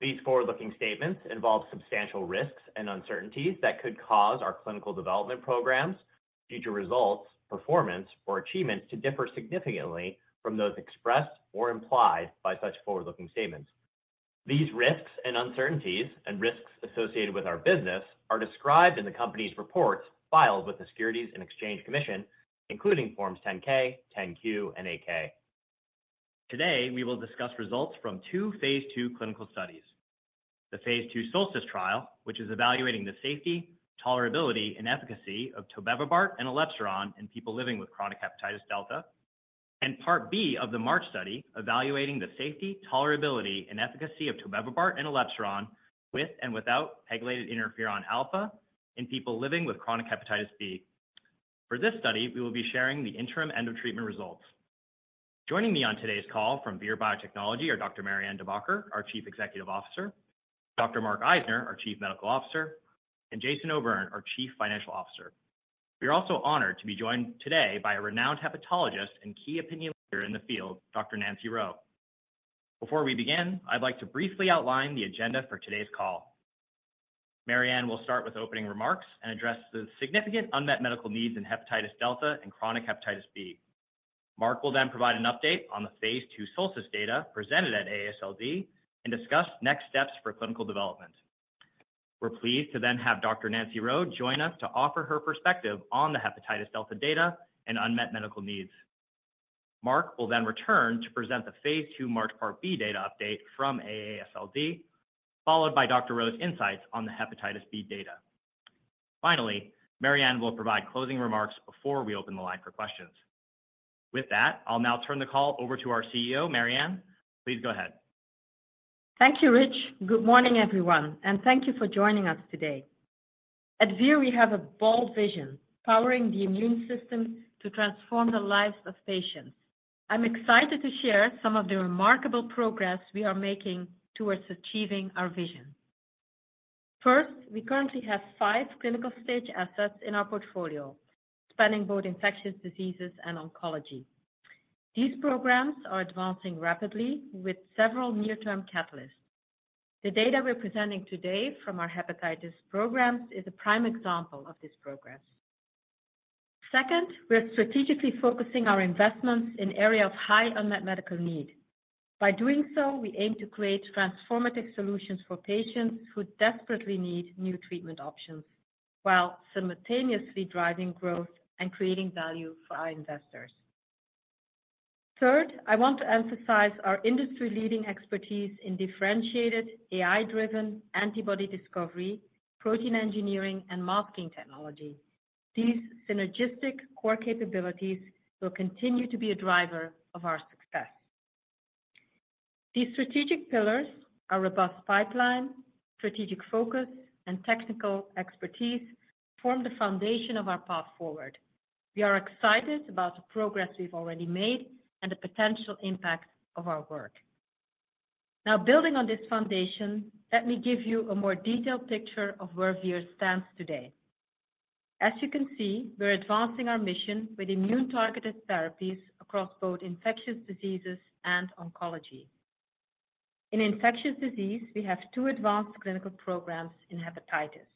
These forward-looking statements involve substantial risks and uncertainties that could cause our clinical development programs, future results, performance, or achievements to differ significantly from those expressed or implied by such forward-looking statements. These risks and uncertainties, and risks associated with our business, are described in the company's reports filed with the Securities and Exchange Commission, including Forms 10-K, 10-Q, and 8-K. Today, we will discuss results from two phase 2 clinical studies: the phase 2 SOLSTICE trial, which is evaluating the safety, tolerability, and efficacy of Tobevibart and elebsiran in people living with chronic hepatitis delta, and Part B of the MARCH study, evaluating the safety, tolerability, and efficacy of Tobevibart and elebsiran with and without pegylated interferon alfa in people living with chronic hepatitis B. For this study, we will be sharing the interim on-treatment results. Joining me on today's call from Vir Biotechnology are Dr. Marianne De Backer, our Chief Executive Officer, Dr. Mark Eisner, our Chief Medical Officer, and Jason O'Byrne, our Chief Financial Officer. We are also honored to be joined today by a renowned hepatologist and key opinion leader in the field, Dr. Nancy Reau. Before we begin, I'd like to briefly outline the agenda for today's call. Marianne will start with opening remarks and address the significant unmet medical needs in hepatitis delta and chronic hepatitis B. Mark will then provide an update on the phase II SOLSTICE data presented at AASLD and discuss next steps for clinical development. We're pleased to then have Dr. Nancy Reau join us to offer her perspective on the hepatitis delta data and unmet medical needs. Mark will then return to present the phase II MARCH Part B data update from AASLD, followed by Dr. Reau's insights on the hepatitis B data. Finally, Marianne will provide closing remarks before we open the line for questions. With that, I'll now turn the call over to our CEO, Marianne. Please go ahead. Thank you, Rich. Good morning, everyone, and thank you for joining us today. At Vir, we have a bold vision: powering the immune system to transform the lives of patients. I'm excited to share some of the remarkable progress we are making towards achieving our vision. First, we currently have five clinical stage assets in our portfolio, spanning both infectious diseases and oncology. These programs are advancing rapidly, with several near-term catalysts. The data we're presenting today from our hepatitis programs is a prime example of this progress. Second, we're strategically focusing our investments in areas of high unmet medical need. By doing so, we aim to create transformative solutions for patients who desperately need new treatment options while simultaneously driving growth and creating value for our investors. Third, I want to emphasize our industry-leading expertise in differentiated, AI-driven antibody discovery, protein engineering, and marketing technology. These synergistic core capabilities will continue to be a driver of our success. These strategic pillars, our robust pipeline, strategic focus, and technical expertise, form the foundation of our path forward. We are excited about the progress we've already made and the potential impact of our work. Now, building on this foundation, let me give you a more detailed picture of where Vir stands today. As you can see, we're advancing our mission with immune-targeted therapies across both infectious diseases and oncology. In infectious disease, we have two advanced clinical programs in hepatitis.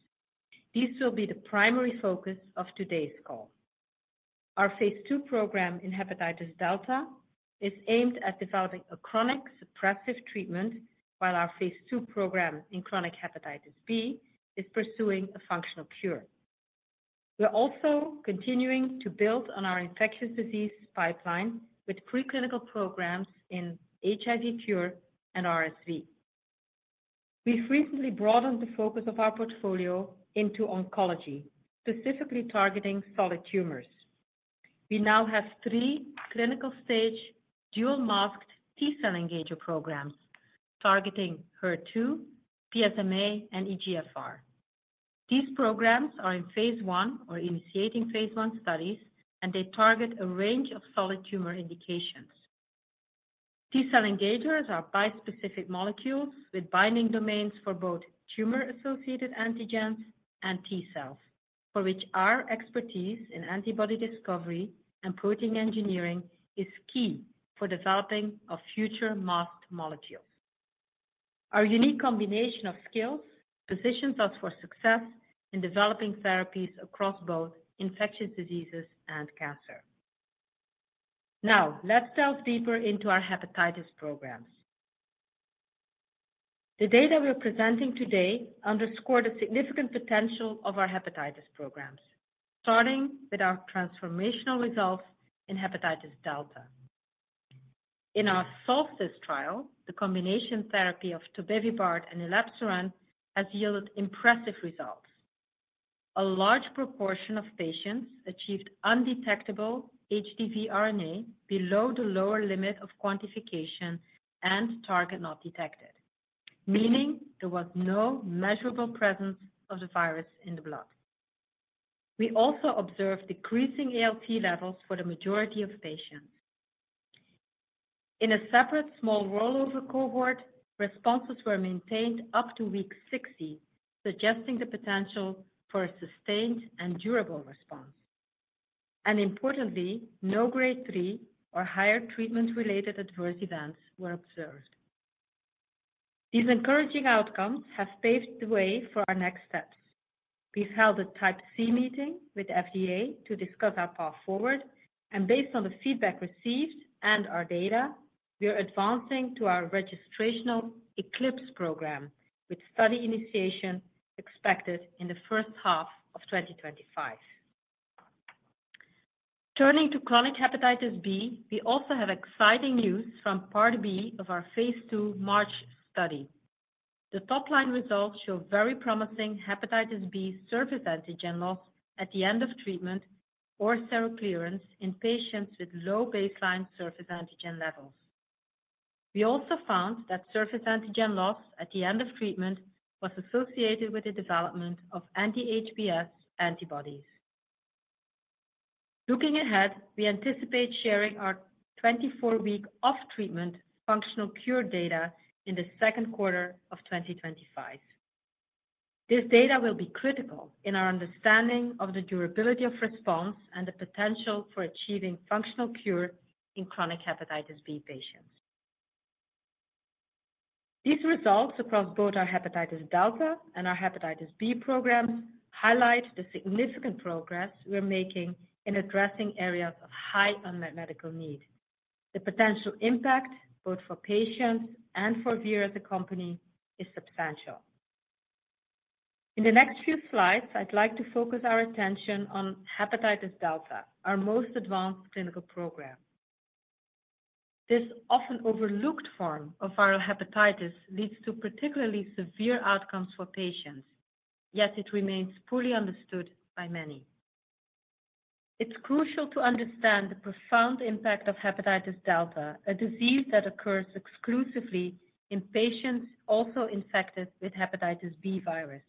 These will be the primary focus of today's call. Our phase II program in hepatitis delta is aimed at developing a chronic suppressive treatment, while our phase II program in chronic hepatitis B is pursuing a functional cure. We're also continuing to build on our infectious disease pipeline with preclinical programs in HIV cure and RSV. We've recently broadened the focus of our portfolio into oncology, specifically targeting solid tumors. We now have three clinical-stage dual-masked T-cell engager programs targeting HER2, PSMA, and EGFR. These programs are in phase I or initiating phase I studies, and they target a range of solid tumor indications. T-cell engagers are bispecific molecules with binding domains for both tumor-associated antigens and T-cells, for which our expertise in antibody discovery and protein engineering is key for developing future masked molecules. Our unique combination of skills positions us for success in developing therapies across both infectious diseases and cancer. Now, let's delve deeper into our hepatitis programs. The data we're presenting today underscore the significant potential of our hepatitis programs, starting with our transformational results in hepatitis delta. In our SOLSTICE trial, the combination therapy of Tobevibart and elebsiran has yielded impressive results. A large proportion of patients achieved undetectable HDV RNA below the lower limit of quantification and target not detected, meaning there was no measurable presence of the virus in the blood. We also observed decreasing ALT levels for the majority of patients. In a separate small rollover cohort, responses were maintained up to week 60, suggesting the potential for a sustained and durable response. Importantly, no grade III or higher treatment-related adverse events were observed. These encouraging outcomes have paved the way for our next steps. We've held a Type C meeting with FDA to discuss our path forward, and based on the feedback received and our data, we're advancing to our registrational ECLIPSE program, with study initiation expected in the first half of 2025. Turning to chronic hepatitis B, we also have exciting news from Part B of our phase II MARCH study. The top-line results show very promising hepatitis B surface antigen loss at the end of treatment or seroclearance in patients with low baseline surface antigen levels. We also found that surface antigen loss at the end of treatment was associated with the development of anti-HBs antibodies. Looking ahead, we anticipate sharing our 24-week off-treatment functional cure data in the second quarter of 2025. This data will be critical in our understanding of the durability of response and the potential for achieving functional cure in chronic hepatitis B patients. These results across both our hepatitis delta and our hepatitis B programs highlight the significant progress we're making in addressing areas of high unmet medical need. The potential impact, both for patients and for Vir as a company, is substantial. In the next few slides, I'd like to focus our attention on hepatitis delta, our most advanced clinical program. This often overlooked form of viral hepatitis leads to particularly severe outcomes for patients, yet it remains poorly understood by many. It's crucial to understand the profound impact of hepatitis delta, a disease that occurs exclusively in patients also infected with hepatitis B virus.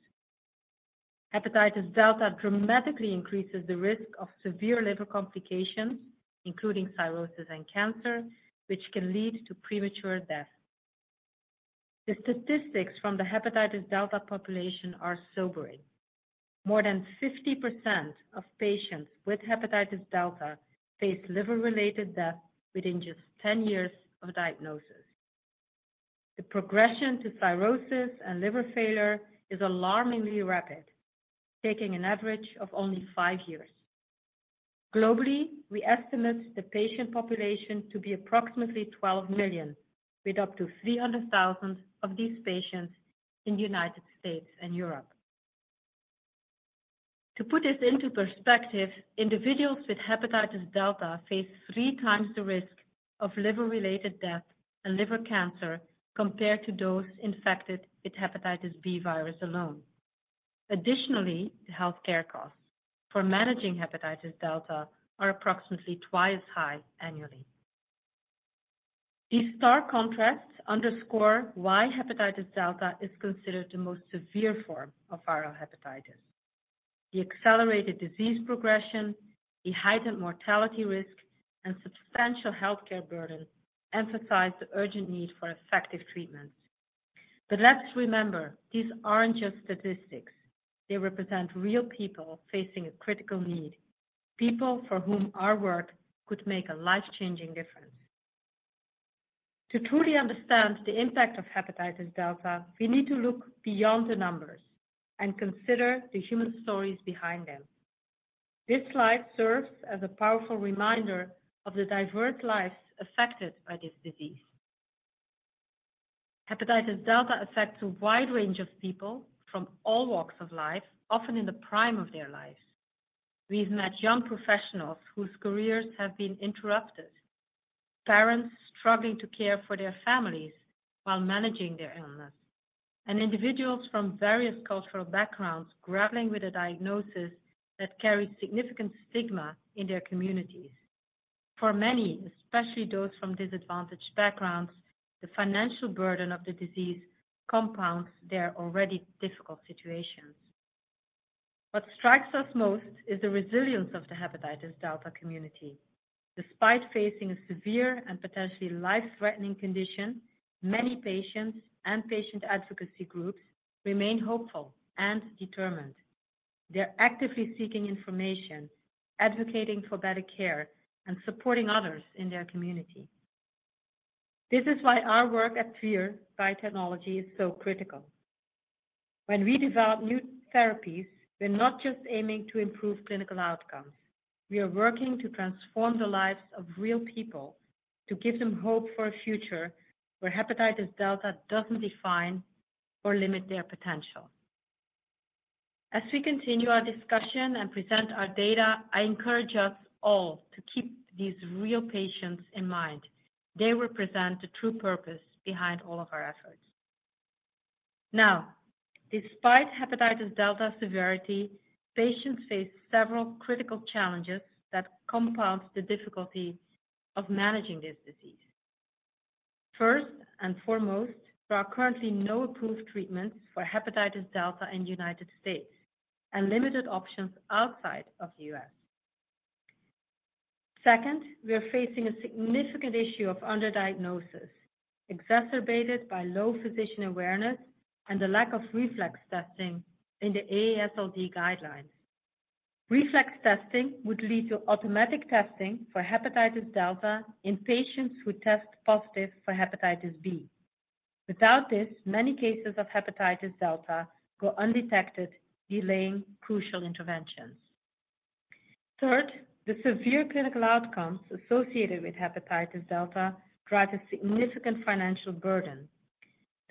Hepatitis delta dramatically increases the risk of severe liver complications, including cirrhosis and cancer, which can lead to premature death. The statistics from the hepatitis delta population are sobering. More than 50% of patients with hepatitis delta face liver-related death within just 10 years of diagnosis. The progression to cirrhosis and liver failure is alarmingly rapid, taking an average of only five years. Globally, we estimate the patient population to be approximately 12 million, with up to 300,000 of these patients in the United States and Europe. To put this into perspective, individuals with hepatitis delta face three times the risk of liver-related death and liver cancer compared to those infected with hepatitis B virus alone. Additionally, the healthcare costs for managing hepatitis delta are approximately twice as high annually. These stark contrasts underscore why hepatitis delta is considered the most severe form of viral hepatitis. The accelerated disease progression, the heightened mortality risk, and substantial healthcare burden emphasize the urgent need for effective treatments. But let's remember, these aren't just statistics. They represent real people facing a critical need, people for whom our work could make a life-changing difference. To truly understand the impact of hepatitis delta, we need to look beyond the numbers and consider the human stories behind them. This slide serves as a powerful reminder of the diverse lives affected by this disease. Hepatitis delta affects a wide range of people from all walks of life, often in the prime of their lives. We've met young professionals whose careers have been interrupted, parents struggling to care for their families while managing their illness, and individuals from various cultural backgrounds grappling with a diagnosis that carries significant stigma in their communities. For many, especially those from disadvantaged backgrounds, the financial burden of the disease compounds their already difficult situations. What strikes us most is the resilience of the hepatitis delta community. Despite facing a severe and potentially life-threatening condition, many patients and patient advocacy groups remain hopeful and determined. They're actively seeking information, advocating for better care, and supporting others in their community. This is why our work at Vir Biotechnology is so critical. When we develop new therapies, we're not just aiming to improve clinical outcomes. We are working to transform the lives of real people, to give them hope for a future where hepatitis delta doesn't define or limit their potential. As we continue our discussion and present our data, I encourage us all to keep these real patients in mind. They represent the true purpose behind all of our efforts. Now, despite hepatitis delta severity, patients face several critical challenges that compound the difficulty of managing this disease. First and foremost, there are currently no approved treatments for hepatitis delta in the United States and limited options outside of the U.S. Second, we're facing a significant issue of underdiagnosis, exacerbated by low physician awareness and the lack of reflex testing in the AASLD guidelines. Reflex testing would lead to automatic testing for hepatitis delta in patients who test positive for hepatitis B. Without this, many cases of hepatitis delta go undetected, delaying crucial interventions. Third, the severe clinical outcomes associated with hepatitis delta drive a significant financial burden.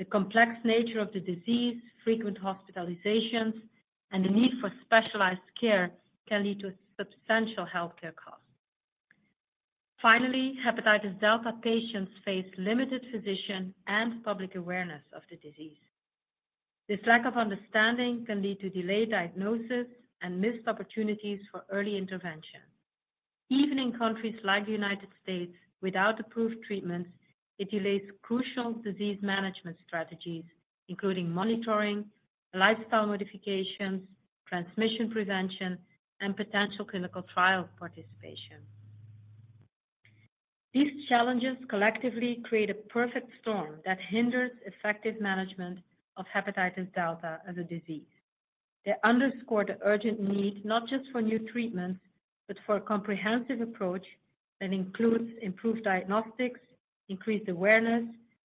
The complex nature of the disease, frequent hospitalizations, and the need for specialized care can lead to substantial healthcare costs. Finally, hepatitis delta patients face limited physician and public awareness of the disease. This lack of understanding can lead to delayed diagnosis and missed opportunities for early intervention. Even in countries like the United States, without approved treatments, it delays crucial disease management strategies, including monitoring, lifestyle modifications, transmission prevention, and potential clinical trial participation. These challenges collectively create a perfect storm that hinders effective management of hepatitis delta as a disease. They underscore the urgent need not just for new treatments, but for a comprehensive approach that includes improved diagnostics, increased awareness,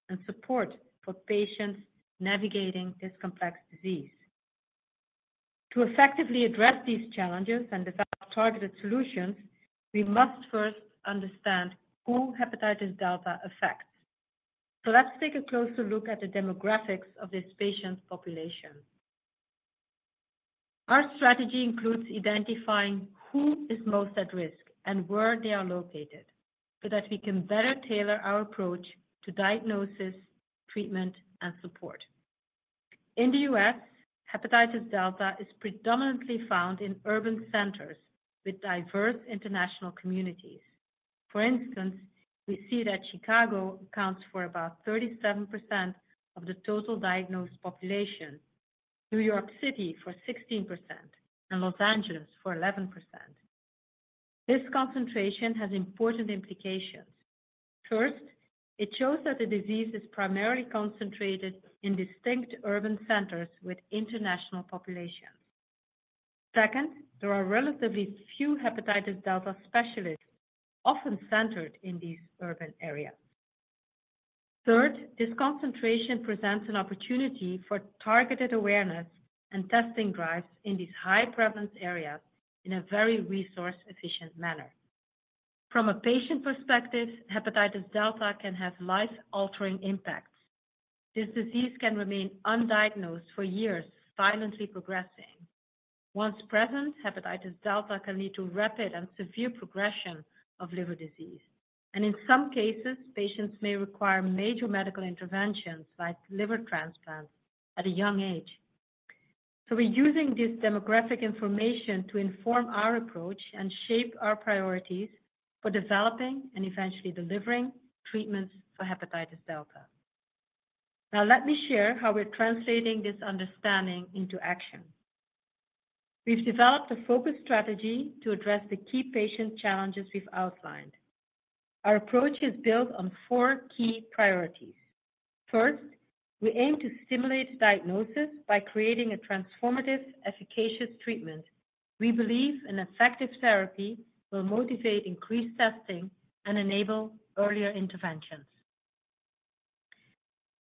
and support for patients navigating this complex disease. To effectively address these challenges and develop targeted solutions, we must first understand who hepatitis delta affects. So let's take a closer look at the demographics of this patient population. Our strategy includes identifying who is most at risk and where they are located so that we can better tailor our approach to diagnosis, treatment, and support. In the U.S., hepatitis delta is predominantly found in urban centers with diverse international communities. For instance, we see that Chicago accounts for about 37% of the total diagnosed population, New York City for 16%, and Los Angeles for 11%. This concentration has important implications. First, it shows that the disease is primarily concentrated in distinct urban centers with international populations. Second, there are relatively few hepatitis delta specialists, often centered in these urban areas. Third, this concentration presents an opportunity for targeted awareness and testing drives in these high-prevalence areas in a very resource-efficient manner. From a patient perspective, hepatitis delta can have life-altering impacts. This disease can remain undiagnosed for years, silently progressing. Once present, hepatitis delta can lead to rapid and severe progression of liver disease. And in some cases, patients may require major medical interventions like liver transplants at a young age. So we're using this demographic information to inform our approach and shape our priorities for developing and eventually delivering treatments for hepatitis delta. Now, let me share how we're translating this understanding into action. We've developed a focused strategy to address the key patient challenges we've outlined. Our approach is built on four key priorities. First, we aim to stimulate diagnosis by creating a transformative, efficacious treatment. We believe an effective therapy will motivate increased testing and enable earlier interventions.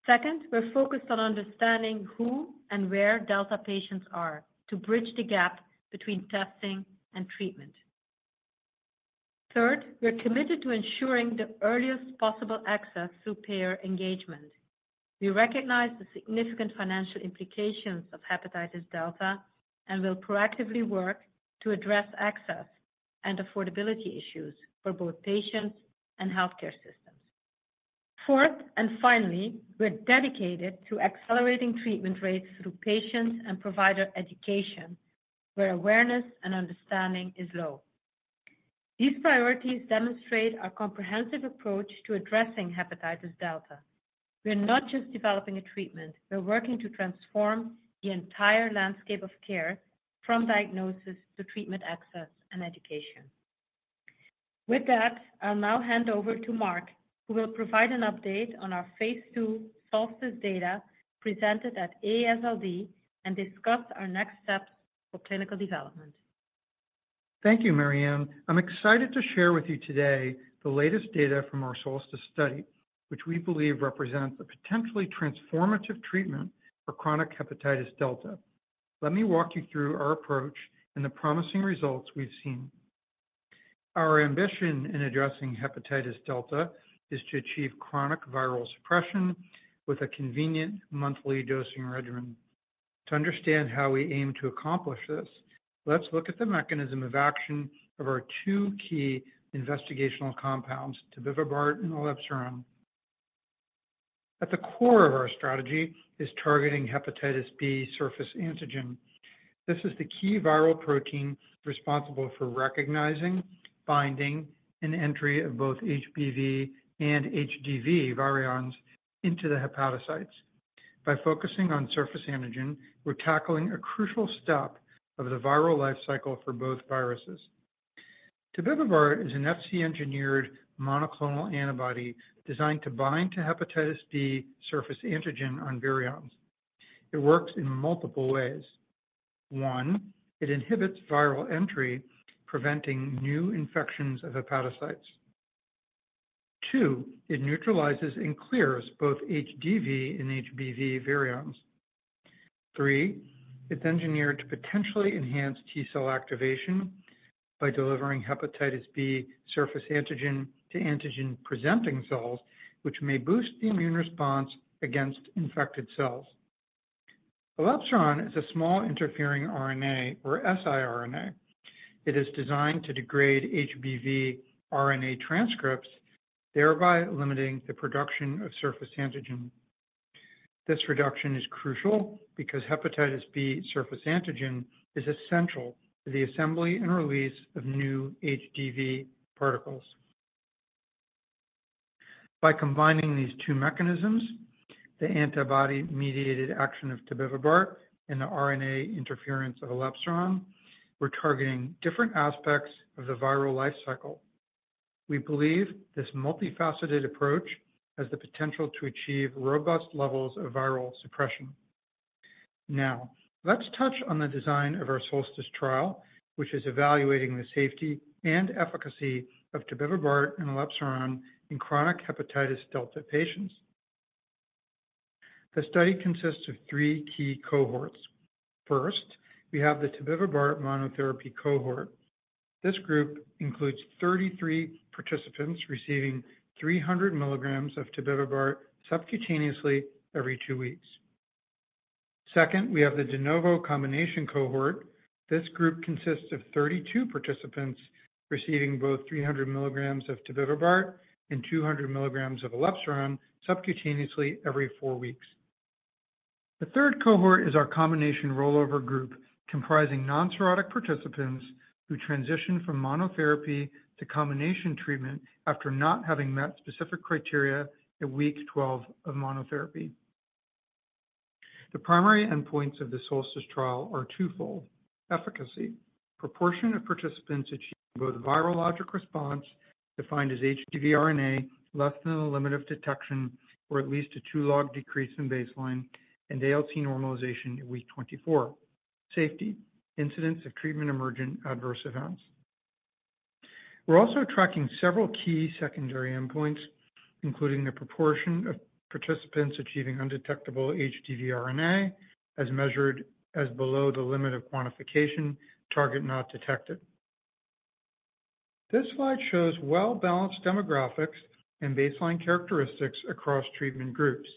Second, we're focused on understanding who and where delta patients are to bridge the gap between testing and treatment. Third, we're committed to ensuring the earliest possible access through payer engagement. We recognize the significant financial implications of hepatitis delta and will proactively work to address access and affordability issues for both patients and healthcare systems. Fourth and finally, we're dedicated to accelerating treatment rates through patient and provider education, where awareness and understanding is low. These priorities demonstrate our comprehensive approach to addressing hepatitis delta. We're not just developing a treatment. We're working to transform the entire landscape of care from diagnosis to treatment access and education. With that, I'll now hand over to Mark, who will provide an update on our phase II SOLSTICE data presented at AASLD and discuss our next steps for clinical development. Thank you, Marianne. I'm excited to share with you today the latest data from our SOLSTICE study, which we believe represents a potentially transformative treatment for chronic hepatitis delta. Let me walk you through our approach and the promising results we've seen. Our ambition in addressing hepatitis delta is to achieve chronic viral suppression with a convenient monthly dosing regimen. To understand how we aim to accomplish this, let's look at the mechanism of action of our two key investigational compounds, Tobevibart and elebsiran. At the core of our strategy is targeting hepatitis B surface antigen. This is the key viral protein responsible for recognizing, binding, and entry of both HBV and HDV virions into the hepatocytes. By focusing on surface antigen, we're tackling a crucial step of the viral life cycle for both viruses. Tobevibart is an Fc-engineered monoclonal antibody designed to bind to hepatitis B surface antigen on virions. It works in multiple ways. One, it inhibits viral entry, preventing new infections of hepatocytes. Two, it neutralizes and clears both HDV and HBV virions. Three, it's engineered to potentially enhance T-cell activation by delivering hepatitis B surface antigen to antigen-presenting cells, which may boost the immune response against infected cells. Elebsiran is a small interfering RNA, or siRNA. It is designed to degrade HBV RNA transcripts, thereby limiting the production of surface antigen. This reduction is crucial because hepatitis B surface antigen is essential to the assembly and release of new HDV particles. By combining these two mechanisms, the antibody-mediated action of Tobevibart and the RNA interference of elebsiran, we're targeting different aspects of the viral life cycle. We believe this multifaceted approach has the potential to achieve robust levels of viral suppression. Now, let's touch on the design of our SOLSTICE trial, which is evaluating the safety and efficacy of Tobevibart and elebsiran in chronic hepatitis delta patients. The study consists of three key cohorts. First, we have the Tobevibart monotherapy cohort. This group includes 33 participants receiving 300 milligrams of Tobevibart subcutaneously every two weeks. Second, we have the de novo combination cohort. This group consists of 32 participants receiving both 300 milligrams of Tobevibart and 200 milligrams of elebsiran subcutaneously every four weeks. The third cohort is our combination rollover group, comprising non-cirrhotic participants who transition from monotherapy to combination treatment after not having met specific criteria at week 12 of monotherapy. The primary endpoints of the SOLSTICE trial are twofold: efficacy, proportion of participants achieving both virologic response, defined as HDV RNA, less than the limit of detection, or at least a two-log decrease in baseline, and ALT normalization at week 24, and safety, incidence of treatment-emergent adverse events. We're also tracking several key secondary endpoints, including the proportion of participants achieving undetectable HDV RNA as measured as below the limit of quantification, target not detected. This slide shows well-balanced demographics and baseline characteristics across treatment groups.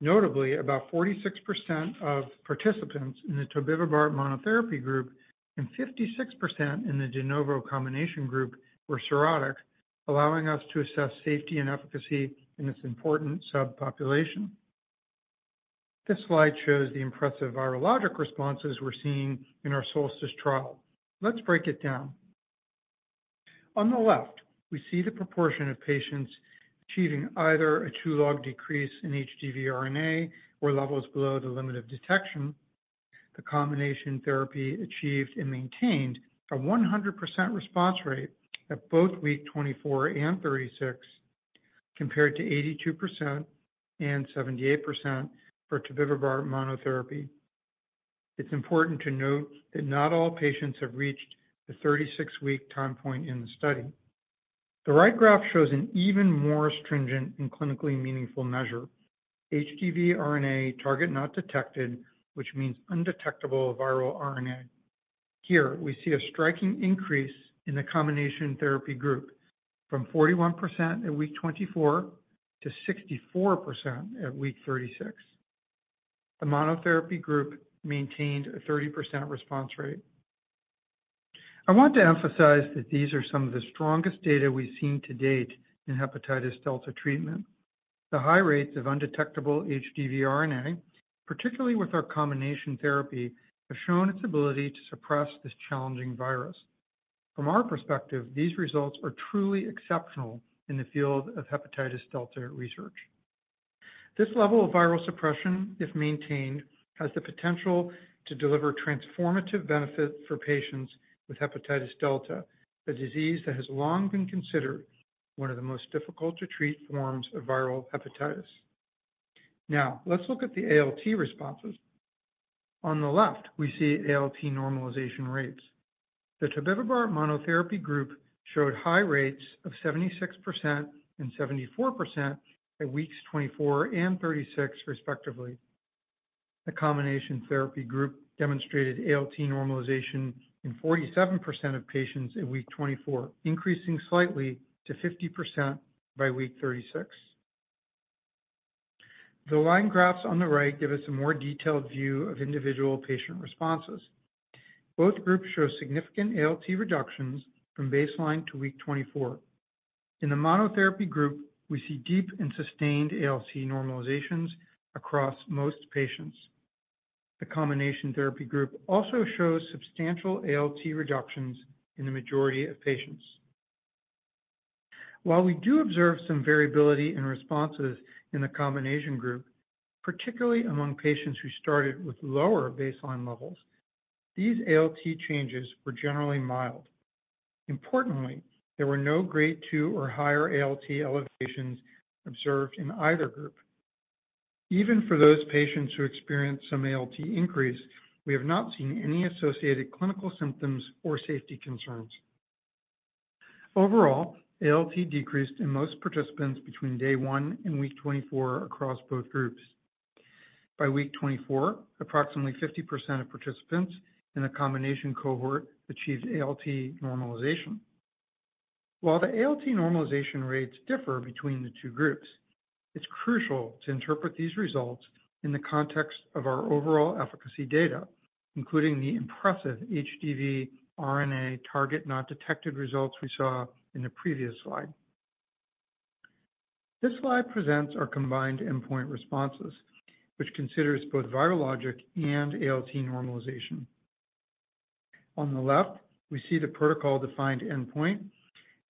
Notably, about 46% of participants in the Tobevibart monotherapy group and 56% in the de novo combination group were cirrhotic, allowing us to assess safety and efficacy in this important subpopulation. This slide shows the impressive virologic responses we're seeing in our SOLSTICE trial. Let's break it down. On the left, we see the proportion of patients achieving either a two-log decrease in HDV RNA or levels below the limit of detection. The combination therapy achieved and maintained a 100% response rate at both week 24 and 36, compared to 82% and 78% for Tobevibart monotherapy. It's important to note that not all patients have reached the 36-week time point in the study. The right graph shows an even more stringent and clinically meaningful measure: HDV RNA target not detected, which means undetectable viral RNA. Here, we see a striking increase in the combination therapy group from 41% at week 24 to 64% at week 36. The monotherapy group maintained a 30% response rate. I want to emphasize that these are some of the strongest data we've seen to date in hepatitis delta treatment. The high rates of undetectable HDV RNA, particularly with our combination therapy, have shown its ability to suppress this challenging virus. From our perspective, these results are truly exceptional in the field of hepatitis delta research. This level of viral suppression, if maintained, has the potential to deliver transformative benefit for patients with hepatitis delta, a disease that has long been considered one of the most difficult-to-treat forms of viral hepatitis. Now, let's look at the ALT responses. On the left, we see ALT normalization rates. The Tobevibart monotherapy group showed high rates of 76% and 74% at weeks 24 and 36, respectively. The combination therapy group demonstrated ALT normalization in 47% of patients at week 24, increasing slightly to 50% by week 36. The line graphs on the right give us a more detailed view of individual patient responses. Both groups show significant ALT reductions from baseline to week 24. In the monotherapy group, we see deep and sustained ALT normalizations across most patients. The combination therapy group also shows substantial ALT reductions in the majority of patients. While we do observe some variability in responses in the combination group, particularly among patients who started with lower baseline levels, these ALT changes were generally mild. Importantly, there were no grade II or higher ALT elevations observed in either group. Even for those patients who experienced some ALT increase, we have not seen any associated clinical symptoms or safety concerns. Overall, ALT decreased in most participants between day one and week 24 across both groups. By week 24, approximately 50% of participants in the combination cohort achieved ALT normalization. While the ALT normalization rates differ between the two groups, it's crucial to interpret these results in the context of our overall efficacy data, including the impressive HDV RNA target not detected results we saw in the previous slide. This slide presents our combined endpoint responses, which considers both virologic and ALT normalization. On the left, we see the protocol-defined endpoint: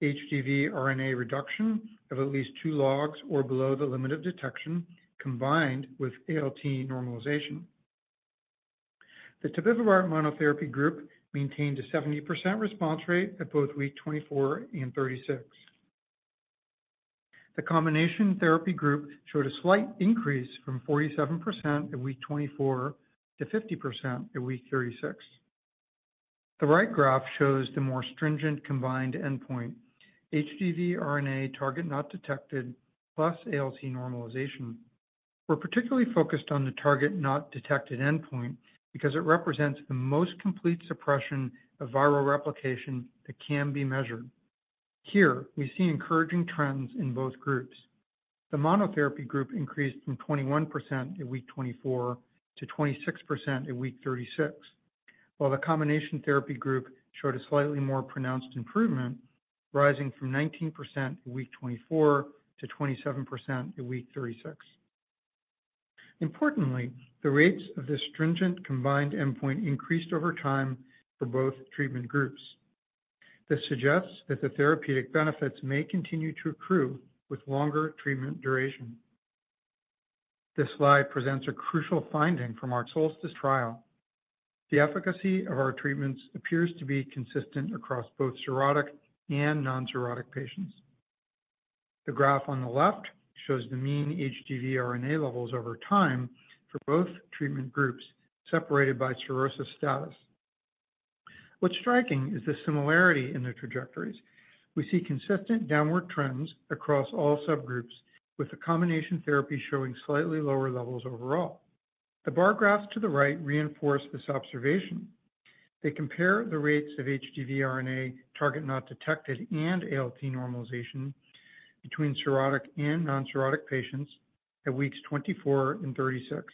HDV RNA reduction of at least two logs or below the limit of detection, combined with ALT normalization. The Tobevibart monotherapy group maintained a 70% response rate at both week 24 and 36. The combination therapy group showed a slight increase from 47% at week 24 to 50% at week 36. The right graph shows the more stringent combined endpoint: HDV RNA target not detected plus ALT normalization. We're particularly focused on the target not detected endpoint because it represents the most complete suppression of viral replication that can be measured. Here, we see encouraging trends in both groups. The monotherapy group increased from 21% at week 24 to 26% at week 36, while the combination therapy group showed a slightly more pronounced improvement, rising from 19% at week 24 to 27% at week 36. Importantly, the rates of this stringent combined endpoint increased over time for both treatment groups. This suggests that the therapeutic benefits may continue to accrue with longer treatment duration. This slide presents a crucial finding from our Solstice trial. The efficacy of our treatments appears to be consistent across both cirrhotic and non-cirrhotic patients. The graph on the left shows the mean HDV RNA levels over time for both treatment groups, separated by cirrhosis status. What's striking is the similarity in their trajectories. We see consistent downward trends across all subgroups, with the combination therapy showing slightly lower levels overall. The bar graphs to the right reinforce this observation. They compare the rates of HDV RNA target not detected and ALT normalization between cirrhotic and non-cirrhotic patients at weeks 24 and 36.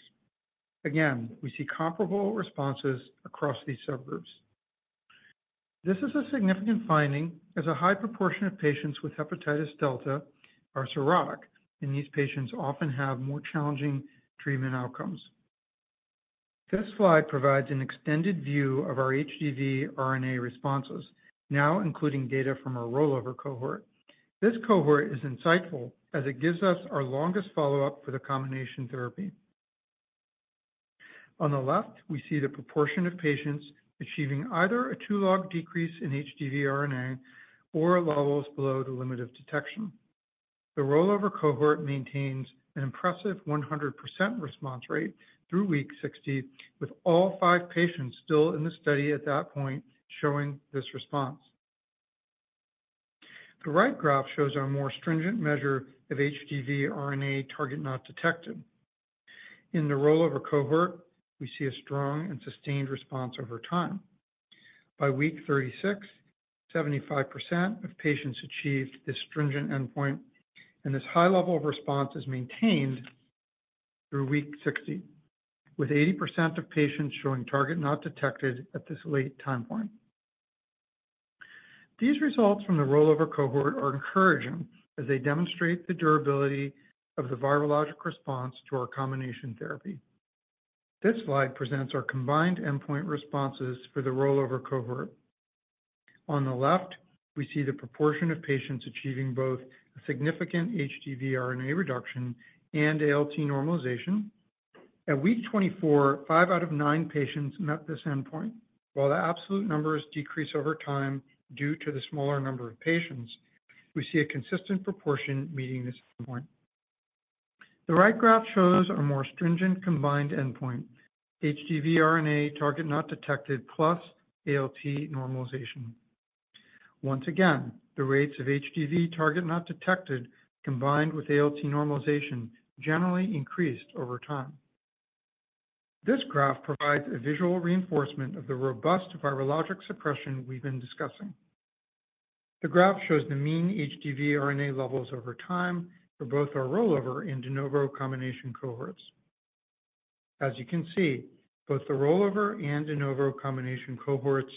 Again, we see comparable responses across these subgroups. This is a significant finding as a high proportion of patients with hepatitis delta are cirrhotic, and these patients often have more challenging treatment outcomes. This slide provides an extended view of our HDV RNA responses, now including data from our rollover cohort. This cohort is insightful as it gives us our longest follow-up for the combination therapy. On the left, we see the proportion of patients achieving either a two-log decrease in HDV RNA or levels below the limit of detection. The rollover cohort maintains an impressive 100% response rate through week 60, with all five patients still in the study at that point showing this response. The right graph shows our more stringent measure of HDV RNA target not detected. In the rollover cohort, we see a strong and sustained response over time. By week 36, 75% of patients achieved this stringent endpoint, and this high level of response is maintained through week 60, with 80% of patients showing target not detected at this late time point. These results from the rollover cohort are encouraging as they demonstrate the durability of the virologic response to our combination therapy. This slide presents our combined endpoint responses for the rollover cohort. On the left, we see the proportion of patients achieving both a significant HDV RNA reduction and ALT normalization. At week 24, five out of nine patients met this endpoint. While the absolute numbers decrease over time due to the smaller number of patients, we see a consistent proportion meeting this endpoint. The right graph shows our more stringent combined endpoint: HDV RNA target not detected plus ALT normalization. Once again, the rates of HDV target not detected combined with ALT normalization generally increased over time. This graph provides a visual reinforcement of the robust virologic suppression we've been discussing. The graph shows the mean HDV RNA levels over time for both our rollover and de novo combination cohorts. As you can see, both the rollover and de novo combination cohorts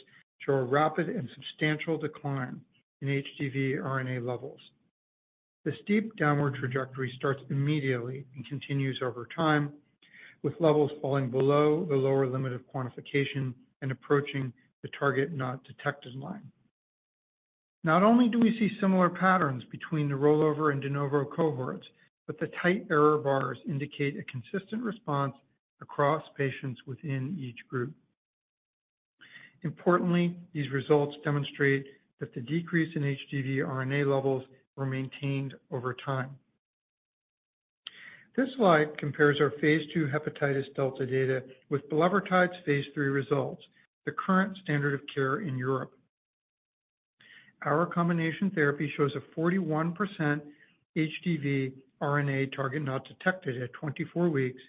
show a rapid and substantial decline in HDV RNA levels. This deep downward trajectory starts immediately and continues over time, with levels falling below the lower limit of quantification and approaching the target not detected line. Not only do we see similar patterns between the rollover and de novo cohorts, but the tight error bars indicate a consistent response across patients within each group. Importantly, these results demonstrate that the decrease in HDV RNA levels were maintained over time. This slide compares our phase 2 hepatitis delta data with bulevirtide's phase 3 results, the current standard of care in Europe. Our combination therapy shows a 41% HDV RNA target not detected at 24 weeks,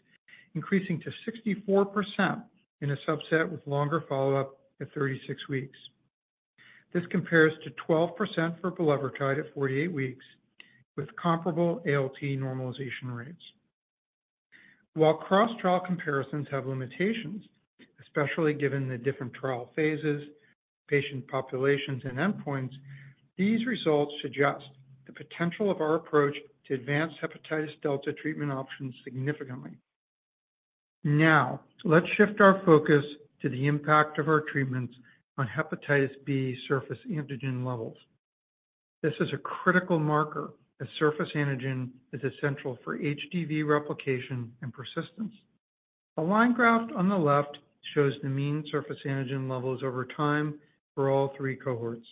increasing to 64% in a subset with longer follow-up at 36 weeks. This compares to 12% for bulevirtide at 48 weeks, with comparable ALT normalization rates. While cross-trial comparisons have limitations, especially given the different trial phases, patient populations, and endpoints, these results suggest the potential of our approach to advance hepatitis delta treatment options significantly. Now, let's shift our focus to the impact of our treatments on hepatitis B surface antigen levels. This is a critical marker, as surface antigen is essential for HDV replication and persistence. The line graph on the left shows the mean surface antigen levels over time for all three cohorts.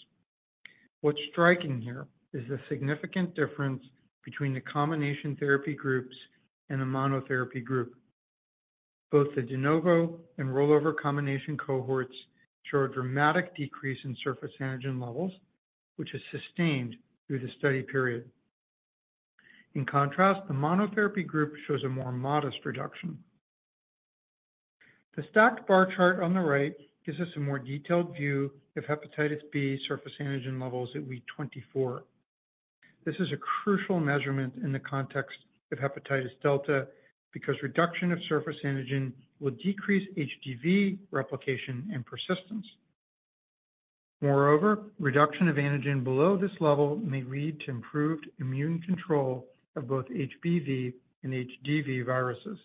What's striking here is the significant difference between the combination therapy groups and the monotherapy group. Both the de novo and rollover combination cohorts show a dramatic decrease in surface antigen levels, which is sustained through the study period. In contrast, the monotherapy group shows a more modest reduction. The stacked bar chart on the right gives us a more detailed view of hepatitis B surface antigen levels at week 24. This is a crucial measurement in the context of hepatitis delta because reduction of surface antigen will decrease HDV replication and persistence. Moreover, reduction of antigen below this level may lead to improved immune control of both HBV and HDV viruses.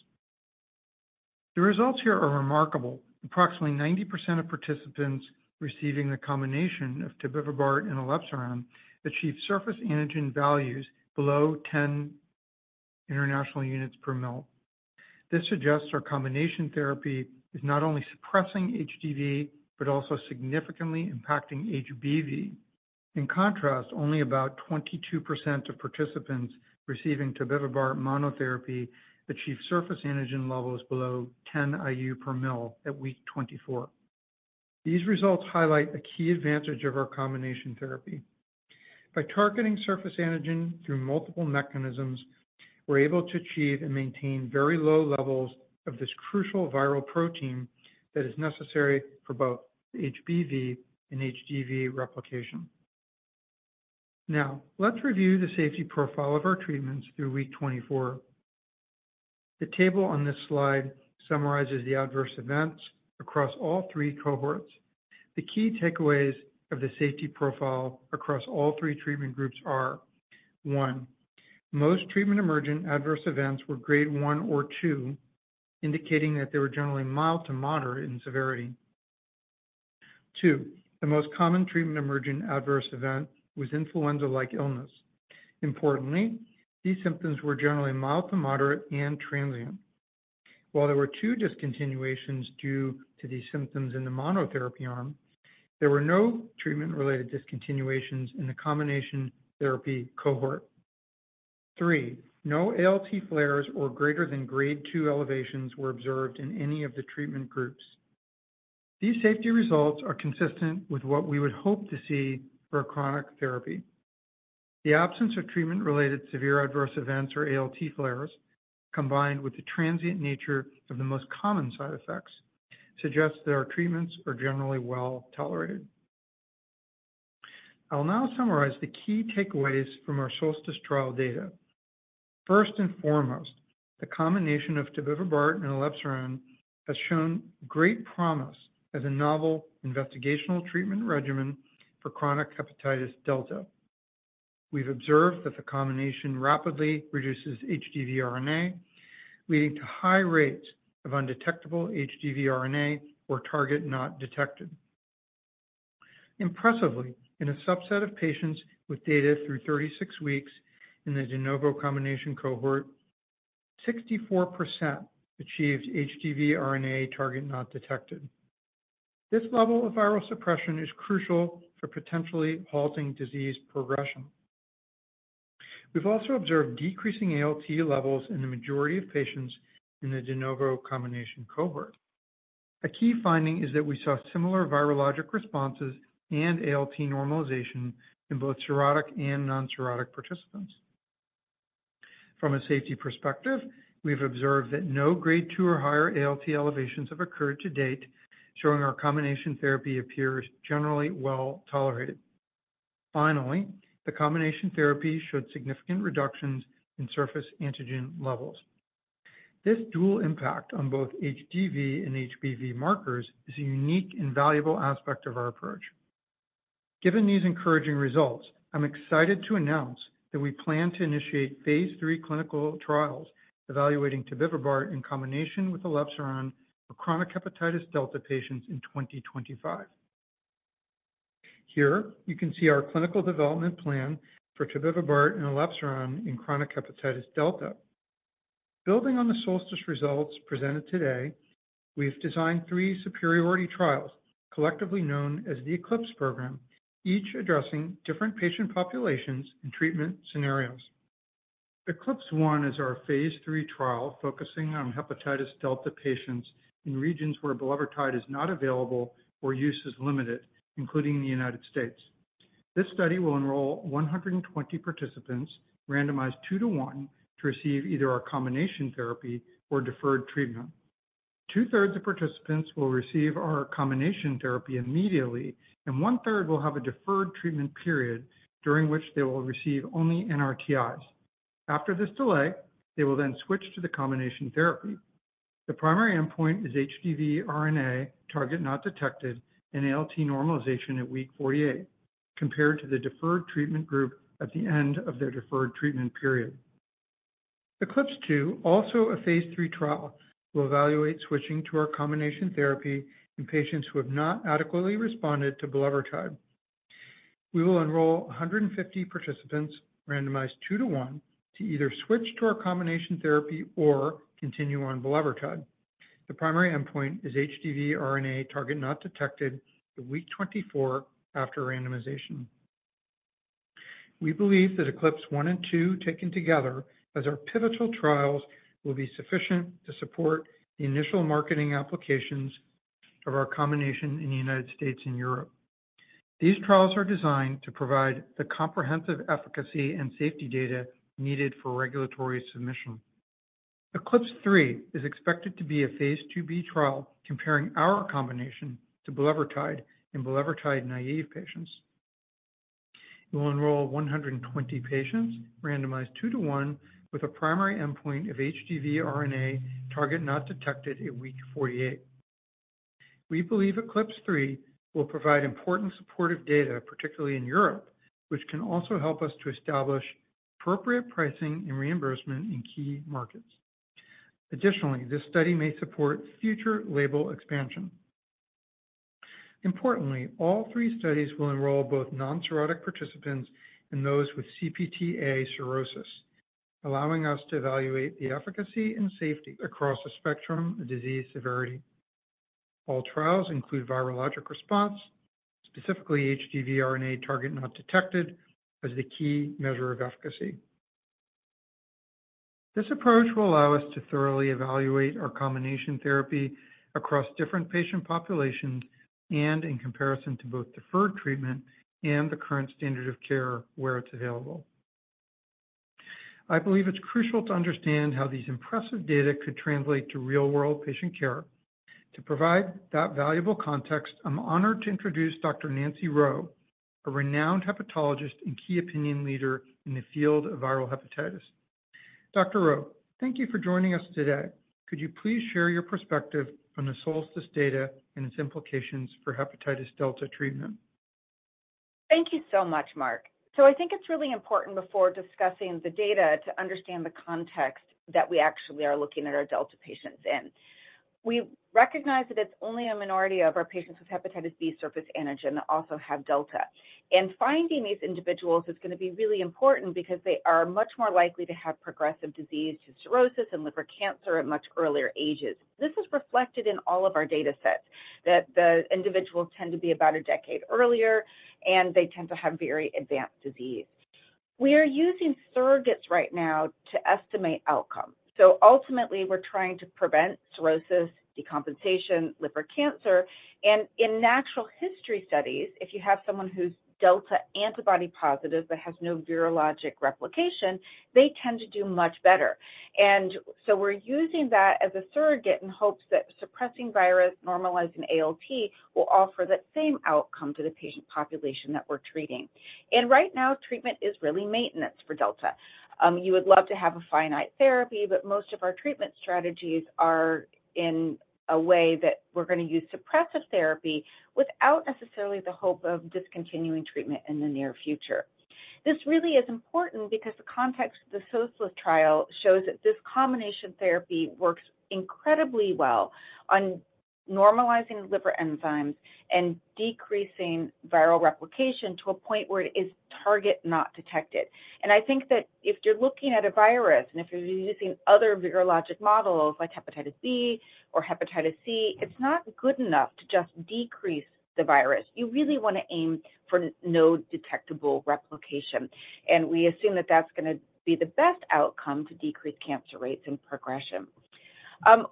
The results here are remarkable. Approximately 90% of participants receiving the combination of Tobevibart and elebsiran achieved surface antigen values below 10 international units per mL. This suggests our combination therapy is not only suppressing HDV, but also significantly impacting HBV. In contrast, only about 22% of participants receiving Tobevibart monotherapy achieved surface antigen levels below 10 IU/mL at week 24. These results highlight a key advantage of our combination therapy. By targeting surface antigen through multiple mechanisms, we're able to achieve and maintain very low levels of this crucial viral protein that is necessary for both HBV and HDV replication. Now, let's review the safety profile of our treatments through week 24. The table on this slide summarizes the adverse events across all three cohorts. The key takeaways of the safety profile across all three treatment groups are: one, most treatment-emergent adverse events were grade I or II, indicating that they were generally mild to moderate in severity. Two, the most common treatment-emergent adverse event was influenza-like illness. Importantly, these symptoms were generally mild to moderate and transient. While there were two discontinuations due to these symptoms in the monotherapy arm, there were no treatment-related discontinuations in the combination therapy cohort. Three, no ALT flares or greater than grade II elevations were observed in any of the treatment groups. These safety results are consistent with what we would hope to see for a chronic therapy. The absence of treatment-related severe adverse events or ALT flares, combined with the transient nature of the most common side effects, suggests that our treatments are generally well tolerated. I'll now summarize the key takeaways from our SOLSTICE trial data. First and foremost, the combination of Tobevibart and elebsiran has shown great promise as a novel investigational treatment regimen for chronic hepatitis delta. We've observed that the combination rapidly reduces HDV RNA, leading to high rates of undetectable HDV RNA or target not detected. Impressively, in a subset of patients with data through 36 weeks in the de novo combination cohort, 64% achieved HDV RNA target not detected. This level of viral suppression is crucial for potentially halting disease progression. We've also observed decreasing ALT levels in the majority of patients in the de novo combination cohort. A key finding is that we saw similar virologic responses and ALT normalization in both cirrhotic and non-cirrhotic participants. From a safety perspective, we've observed that no grade II or higher ALT elevations have occurred to date, showing our combination therapy appears generally well tolerated. Finally, the combination therapy showed significant reductions in surface antigen levels. This dual impact on both HDV and HBV markers is a unique and valuable aspect of our approach. Given these encouraging results, I'm excited to announce that we plan to initiate phase 3 clinical trials evaluating Tobevibart in combination with elebsiran for chronic hepatitis delta patients in 2025. Here, you can see our clinical development plan for Tobevibart and elebsiran in chronic hepatitis delta. Building on the SOLSTICE results presented today, we've designed three superiority trials, collectively known as the ECLIPSE program, each addressing different patient populations and treatment scenarios. ECLIPSE 1 is our phase 3 trial focusing on hepatitis delta patients in regions where Bulevirtide is not available or use is limited, including the United States. This study will enroll 120 participants randomized two-to-one to receive either our combination therapy or deferred treatment. Two-thirds of participants will receive our combination therapy immediately, and one-third will have a deferred treatment period during which they will receive only NRTIs. After this delay, they will then switch to the combination therapy. The primary endpoint is HDV RNA target not detected and ALT normalization at week 48, compared to the deferred treatment group at the end of their deferred treatment period. ECLIPSE 2, also a phase 3 trial, will evaluate switching to our combination therapy in patients who have not adequately responded to bulevirtide. We will enroll 150 participants randomized two-to-one to either switch to our combination therapy or continue on bulevirtide. The primary endpoint is HDV RNA target not detected at week 24 after randomization. We believe that ECLIPSE 1 and 2 taken together as our pivotal trials will be sufficient to support the initial marketing applications of our combination in the United States and Europe. These trials are designed to provide the comprehensive efficacy and safety data needed for regulatory submission. ECLIPSE 3 is expected to be a phase 2B trial comparing our combination to bulevirtide in bulevirtide naive patients. We'll enroll 120 patients randomized two-to-one with a primary endpoint of HDV RNA target not detected at week 48. We believe ECLIPSE 3 will provide important supportive data, particularly in Europe, which can also help us to establish appropriate pricing and reimbursement in key markets. Additionally, this study may support future label expansion. Importantly, all three studies will enroll both non-cirrhotic participants and those with CPT-A cirrhosis, allowing us to evaluate the efficacy and safety across the spectrum of disease severity. All trials include virologic response, specifically HDV RNA target not detected as the key measure of efficacy. This approach will allow us to thoroughly evaluate our combination therapy across different patient populations and in comparison to both deferred treatment and the current standard of care where it's available. I believe it's crucial to understand how these impressive data could translate to real-world patient care. To provide that valuable context, I'm honored to introduce Dr. Nancy Reau, a renowned hepatologist and key opinion leader in the field of viral hepatitis. Dr. Reau, thank you for joining us today. Could you please share your perspective on the SOLSTICE data and its implications for hepatitis delta treatment? Thank you so much, Mark. So I think it's really important before discussing the data to understand the context that we actually are looking at our delta patients in. We recognize that it's only a minority of our patients with hepatitis B surface antigen that also have delta. Finding these individuals is going to be really important because they are much more likely to have progressive disease to cirrhosis and liver cancer at much earlier ages. This is reflected in all of our data sets, that the individuals tend to be about a decade earlier, and they tend to have very advanced disease. We are using surrogates right now to estimate outcome. So ultimately, we're trying to prevent cirrhosis, decompensation, liver cancer. And in natural history studies, if you have someone who's Delta antibody positive that has no virologic replication, they tend to do much better. And so we're using that as a surrogate in hopes that suppressing virus, normalizing ALT will offer that same outcome to the patient population that we're treating. And right now, treatment is really maintenance for Delta. You would love to have a finite therapy, but most of our treatment strategies are in a way that we're going to use suppressive therapy without necessarily the hope of discontinuing treatment in the near future. This really is important because the context of the SOLSTICE trial shows that this combination therapy works incredibly well on normalizing liver enzymes and decreasing viral replication to a point where it is target not detected, and I think that if you're looking at a virus and if you're using other virologic models like hepatitis B or hepatitis C, it's not good enough to just decrease the virus. You really want to aim for no detectable replication, and we assume that that's going to be the best outcome to decrease cancer rates and progression.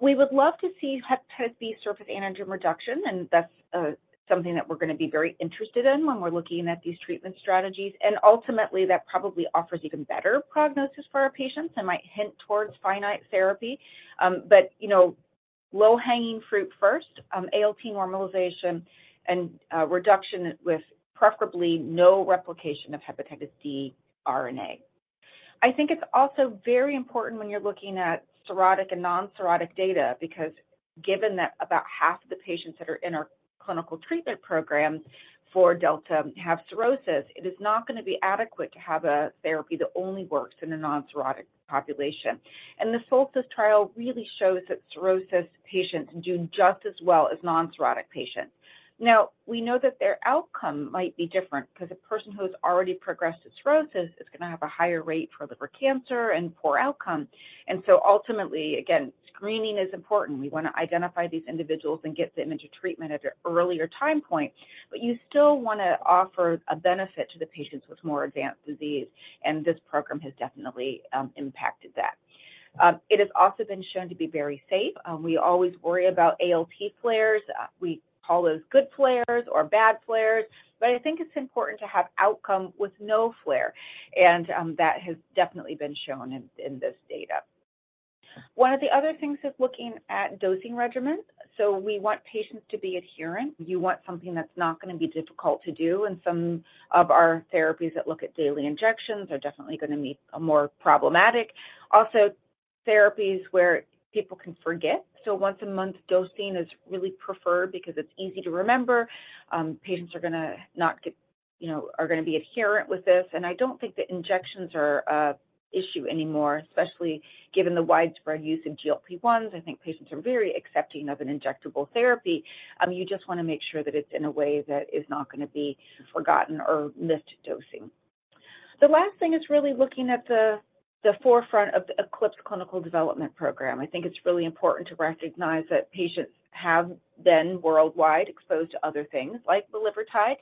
We would love to see hepatitis B surface antigen reduction, and that's something that we're going to be very interested in when we're looking at these treatment strategies. And ultimately, that probably offers even better prognosis for our patients and might hint towards finite therapy. But, you know, low-hanging fruit first, ALT normalization and reduction with preferably no replication of hepatitis D RNA. I think it's also very important when you're looking at cirrhotic and non-cirrhotic data because given that about half of the patients that are in our clinical treatment programs for Delta have cirrhosis, it is not going to be adequate to have a therapy that only works in a non-cirrhotic population. And the SOLSTICE trial really shows that cirrhosis patients do just as well as non-cirrhotic patients. Now, we know that their outcome might be different because a person who has already progressed to cirrhosis is going to have a higher rate for liver cancer and poor outcome, and so ultimately, again, screening is important. We want to identify these individuals and get them into treatment at an earlier time point, but you still want to offer a benefit to the patients with more advanced disease, and this program has definitely impacted that. It has also been shown to be very safe. We always worry about ALT flares. We call those good flares or bad flares, but I think it's important to have outcome with no flare, and that has definitely been shown in this data. One of the other things is looking at dosing regimens, so we want patients to be adherent. You want something that's not going to be difficult to do. Some of our therapies that look at daily injections are definitely going to be more problematic. Also, therapies where people can forget. Once-a-month dosing is really preferred because it's easy to remember. Patients are going to not get, you know, are going to be adherent with this. And I don't think that injections are an issue anymore, especially given the widespread use of GLP-1s. I think patients are very accepting of an injectable therapy. You just want to make sure that it's in a way that is not going to be forgotten or missed dosing. The last thing is really looking at the forefront of the ECLIPSE clinical development program. I think it's really important to recognize that patients have been worldwide exposed to other things like bulevirtide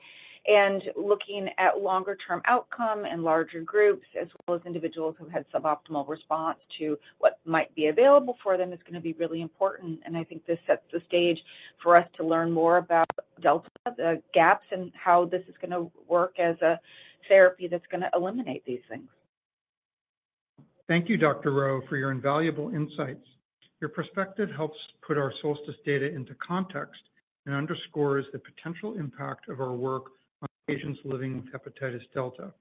and looking at longer-term outcome in larger groups as well as individuals who had suboptimal response to what might be available for them is going to be really important, and I think this sets the stage for us to learn more about Delta, the gaps, and how this is going to work as a therapy that's going to eliminate these things. Thank you, Dr. Reau, for your invaluable insights. Your perspective helps put our SOLSTICE data into context and underscores the potential impact of our work on patients living with hepatitis delta.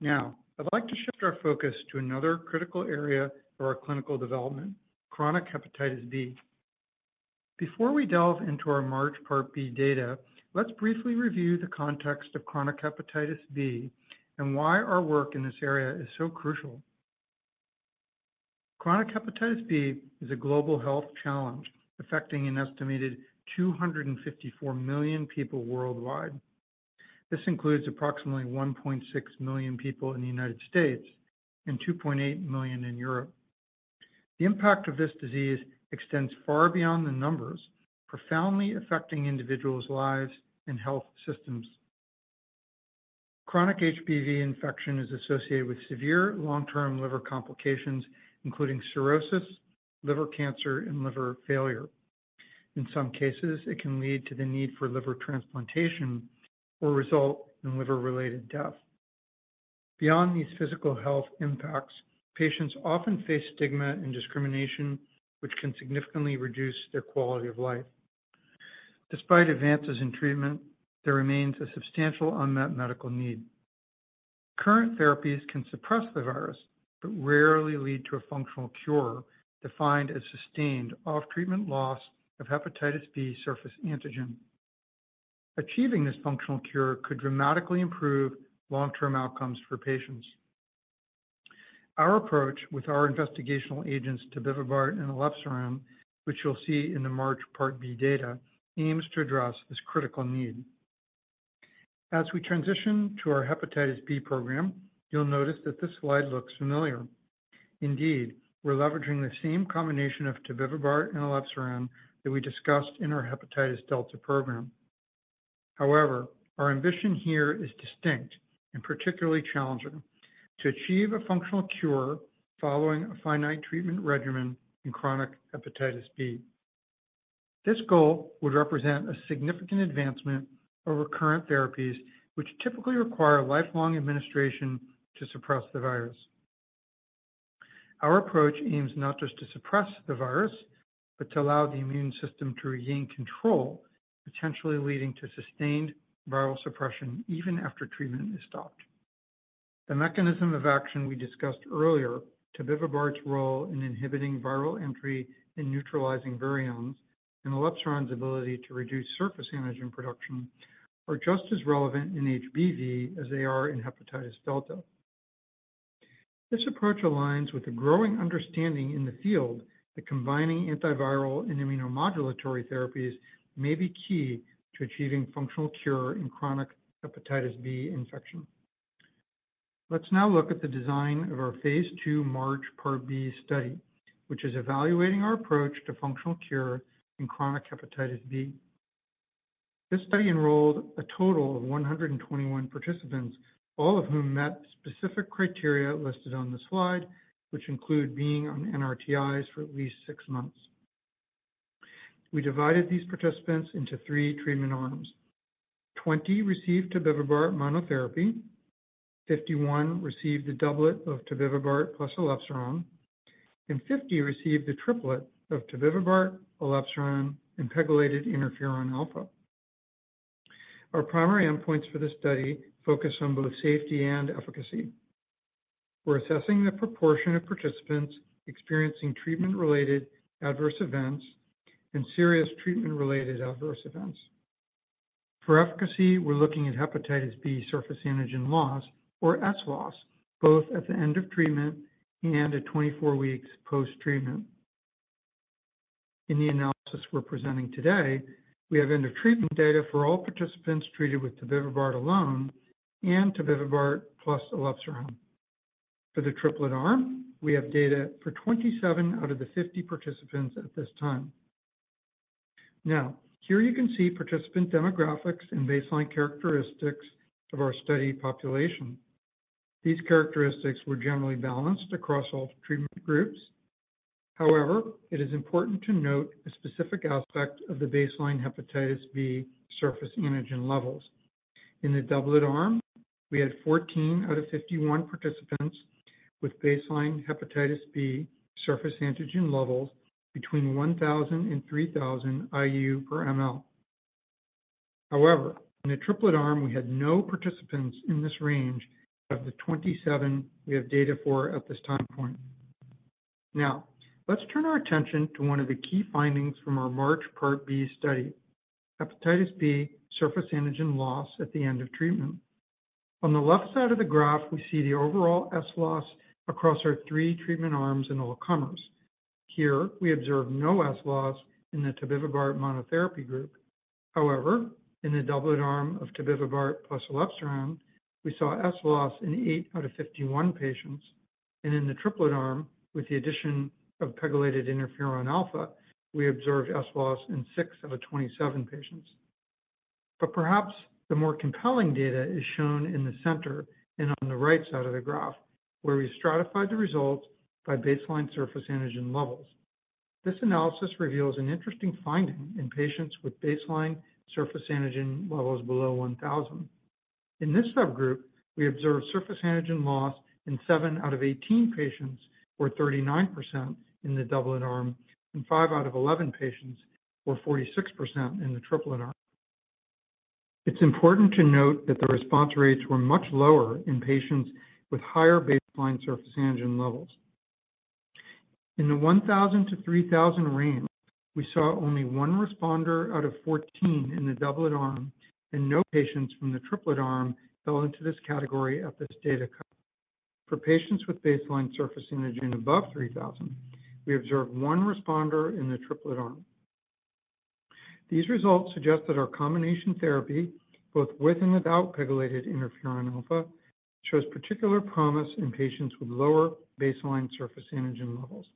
Now, I'd like to shift our focus to another critical area of our clinical development, chronic hepatitis B. Before we delve into our MARCH phase 2b data, let's briefly review the context of chronic hepatitis B and why our work in this area is so crucial. Chronic hepatitis B is a global health challenge affecting an estimated 254 million people worldwide. This includes approximately 1.6 million people in the United States and 2.8 million in Europe. The impact of this disease extends far beyond the numbers, profoundly affecting individuals' lives and health systems. Chronic HBV infection is associated with severe long-term liver complications, including cirrhosis, liver cancer, and liver failure. In some cases, it can lead to the need for liver transplantation or result in liver-related death. Beyond these physical health impacts, patients often face stigma and discrimination, which can significantly reduce their quality of life. Despite advances in treatment, there remains a substantial unmet medical need. Current therapies can suppress the virus, but rarely lead to a functional cure defined as sustained off-treatment loss of hepatitis B surface antigen. Achieving this functional cure could dramatically improve long-term outcomes for patients. Our approach with our investigational agents, Tobevibart and elebsiran, which you'll see in the MARCH phase 2B data, aims to address this critical need. As we transition to our hepatitis B program, you'll notice that this slide looks familiar. Indeed, we're leveraging the same combination of Tobevibart and elebsiran that we discussed in our hepatitis delta program. However, our ambition here is distinct and particularly challenging: to achieve a functional cure following a finite treatment regimen in chronic hepatitis B. This goal would represent a significant advancement over current therapies, which typically require lifelong administration to suppress the virus. Our approach aims not just to suppress the virus, but to allow the immune system to regain control, potentially leading to sustained viral suppression even after treatment is stopped. The mechanism of action we discussed earlier, Tobevibart's role in inhibiting viral entry and neutralizing virions, and elebsiran's ability to reduce surface antigen production are just as relevant in HBV as they are in hepatitis delta. This approach aligns with a growing understanding in the field that combining antiviral and immunomodulatory therapies may be key to achieving functional cure in chronic hepatitis B infection. Let's now look at the design of our phase 2 MARCH Part B study, which is evaluating our approach to functional cure in chronic hepatitis B. This study enrolled a total of 121 participants, all of whom met specific criteria listed on the slide, which include being on NRTIs for at least six months. We divided these participants into three treatment arms. 20 received Tobevibart monotherapy. 51 received the doublet of Tobevibart plus elebsiran, and 50 received the triplet of Tobevibart, elebsiran, and pegylated interferon alpha. Our primary endpoints for this study focus on both safety and efficacy. We're assessing the proportion of participants experiencing treatment-related adverse events and serious treatment-related adverse events. For efficacy, we're looking at hepatitis B surface antigen loss, or S loss, both at the end of treatment and at 24 weeks post-treatment. In the analysis we're presenting today, we have end-of-treatment data for all participants treated with Tobevibart alone and Tobevibart plus elebsiran. For the triplet arm, we have data for 27 out of the 50 participants at this time. Now, here you can see participant demographics and baseline characteristics of our study population. These characteristics were generally balanced across all treatment groups. However, it is important to note a specific aspect of the baseline hepatitis B surface antigen levels. In the doublet arm, we had 14 out of 51 participants with baseline hepatitis B surface antigen levels between 1,000 and 3,000 IU per mL. However, in the triplet arm, we had no participants in this range of the 27 we have data for at this time point. Now, let's turn our attention to one of the key findings from our MARCH study: hepatitis B surface antigen loss at the end of treatment. On the left side of the graph, we see the overall HBsAg loss across our three treatment arms in all comers. Here, we observed no HBsAg loss in the Tobevibart monotherapy group. However, in the doublet arm of Tobevibart plus elebsiran, we saw HBsAg loss in 8 out of 51 patients. In the triplet arm, with the addition of pegylated interferon alpha, we observed S loss in six out of 27 patients. But perhaps the more compelling data is shown in the center and on the right side of the graph, where we stratified the results by baseline surface antigen levels. This analysis reveals an interesting finding in patients with baseline surface antigen levels below 1,000. In this subgroup, we observed surface antigen loss in seven out of 18 patients, or 39%, in the doublet arm, and five out of 11 patients, or 46%, in the triplet arm. It's important to note that the response rates were much lower in patients with higher baseline surface antigen levels. In the 1,000 to 3,000 range, we saw only one responder out of 14 in the doublet arm, and no patients from the triplet arm fell into this category at this data cut. For patients with baseline surface antigen above 3,000, we observed one responder in the triplet arm. These results suggest that our combination therapy, both with and without pegylated interferon alpha, shows particular promise in patients with lower baseline surface antigen levels.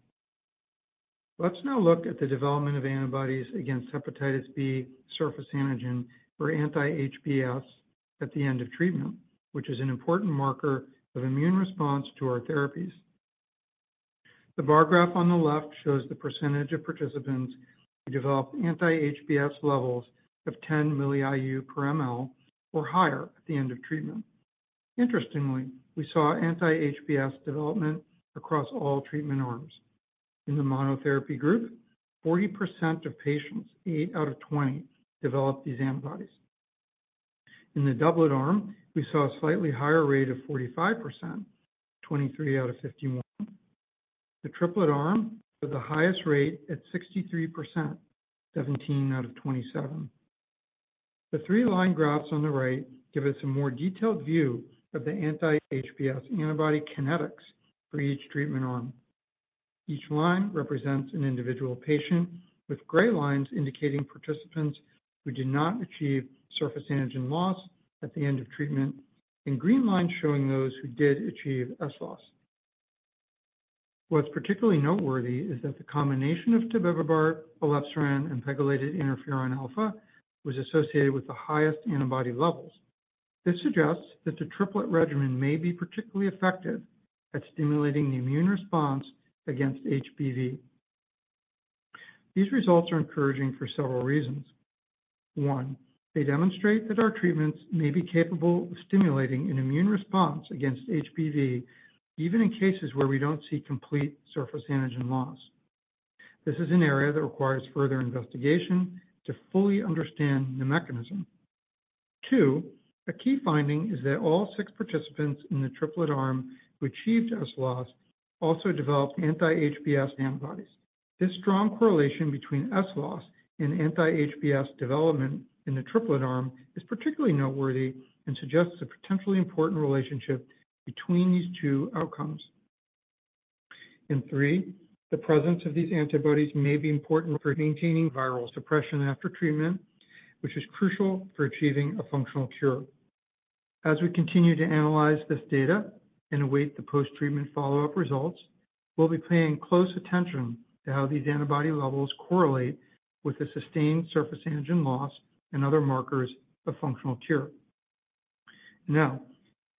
Let's now look at the development of antibodies against hepatitis B surface antigen, or anti-HBs, at the end of treatment, which is an important marker of immune response to our therapies. The bar graph on the left shows the percentage of participants who developed anti-HBs levels of 10 milli-IU per mL or higher at the end of treatment. Interestingly, we saw anti-HBs development across all treatment arms. In the monotherapy group, 40% of patients, 8 out of 20, developed these antibodies. In the doublet arm, we saw a slightly higher rate of 45%, 23 out of 51. The triplet arm had the highest rate at 63%, 17 out of 27. The three line graphs on the right give us a more detailed view of the anti-HBs antibody kinetics for each treatment arm. Each line represents an individual patient, with gray lines indicating participants who did not achieve surface antigen loss at the end of treatment, and green lines showing those who did achieve S loss. What's particularly noteworthy is that the combination of Tobevibart, elebsiran, and pegylated interferon alpha was associated with the highest antibody levels. This suggests that the triplet regimen may be particularly effective at stimulating the immune response against HBV. These results are encouraging for several reasons. One, they demonstrate that our treatments may be capable of stimulating an immune response against HBV, even in cases where we don't see complete surface antigen loss. This is an area that requires further investigation to fully understand the mechanism. Two, a key finding is that all six participants in the triplet arm who achieved S loss also developed anti-HBs antibodies. This strong correlation between S loss and anti-HBs development in the triplet arm is particularly noteworthy and suggests a potentially important relationship between these two outcomes, and three, the presence of these antibodies may be important for maintaining viral suppression after treatment, which is crucial for achieving a functional cure. As we continue to analyze this data and await the post-treatment follow-up results, we'll be paying close attention to how these antibody levels correlate with the sustained surface antigen loss and other markers of functional cure. Now,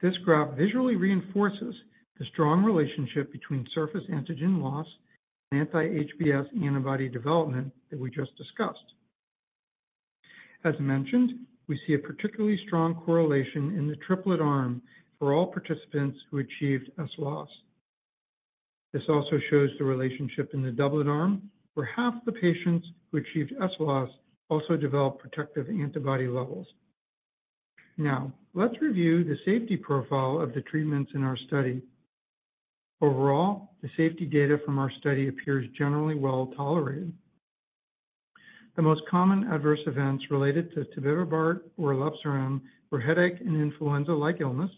this graph visually reinforces the strong relationship between surface antigen loss and anti-HBs antibody development that we just discussed. As mentioned, we see a particularly strong correlation in the triplet arm for all participants who achieved S loss. This also shows the relationship in the doublet arm, where half the patients who achieved S loss also developed protective antibody levels. Now, let's review the safety profile of the treatments in our study. Overall, the safety data from our study appears generally well tolerated. The most common adverse events related to Tobevibart or elebsiran were headache and influenza-like illness.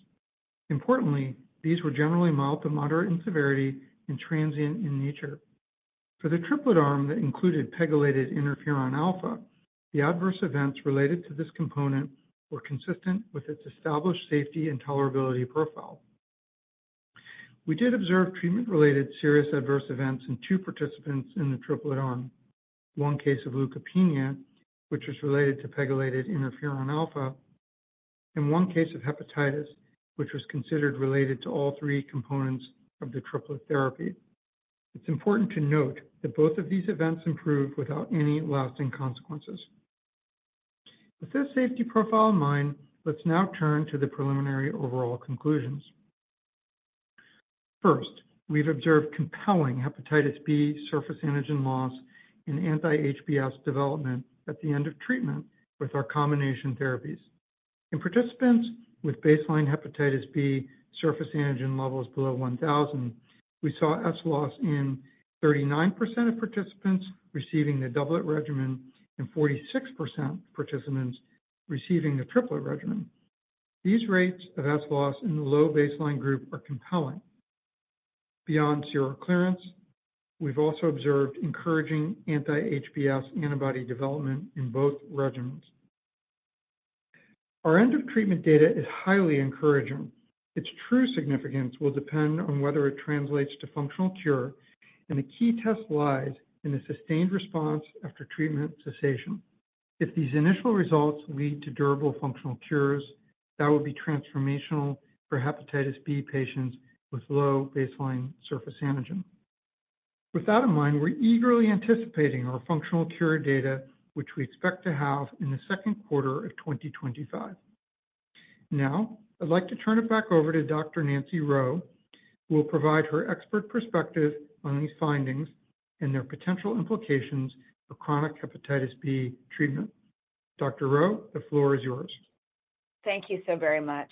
Importantly, these were generally mild to moderate in severity and transient in nature. For the triplet arm that included pegylated interferon alpha, the adverse events related to this component were consistent with its established safety and tolerability profile. We did observe treatment-related serious adverse events in two participants in the triplet arm: one case of leukopenia, which was related to pegylated interferon alpha, and one case of hepatitis, which was considered related to all three components of the triplet therapy. It's important to note that both of these events improved without any lasting consequences. With this safety profile in mind, let's now turn to the preliminary overall conclusions. First, we've observed compelling hepatitis B surface antigen loss and anti-HBs development at the end of treatment with our combination therapies. In participants with baseline hepatitis B surface antigen levels below 1,000, we saw S loss in 39% of participants receiving the doublet regimen and 46% of participants receiving the triplet regimen. These rates of S loss in the low baseline group are compelling. Beyond seroclearance, we've also observed encouraging anti-HBs antibody development in both regimens. Our end-of-treatment data is highly encouraging. Its true significance will depend on whether it translates to functional cure, and the key test lies in the sustained response after treatment cessation. If these initial results lead to durable functional cures, that would be transformational for hepatitis B patients with low baseline surface antigen. With that in mind, we're eagerly anticipating our functional cure data, which we expect to have in the second quarter of 2025. Now, I'd like to turn it back over to Dr. Nancy Reau, who will provide her expert perspective on these findings and their potential implications for chronic hepatitis B treatment. Dr. Reau, the floor is yours. Thank you so very much.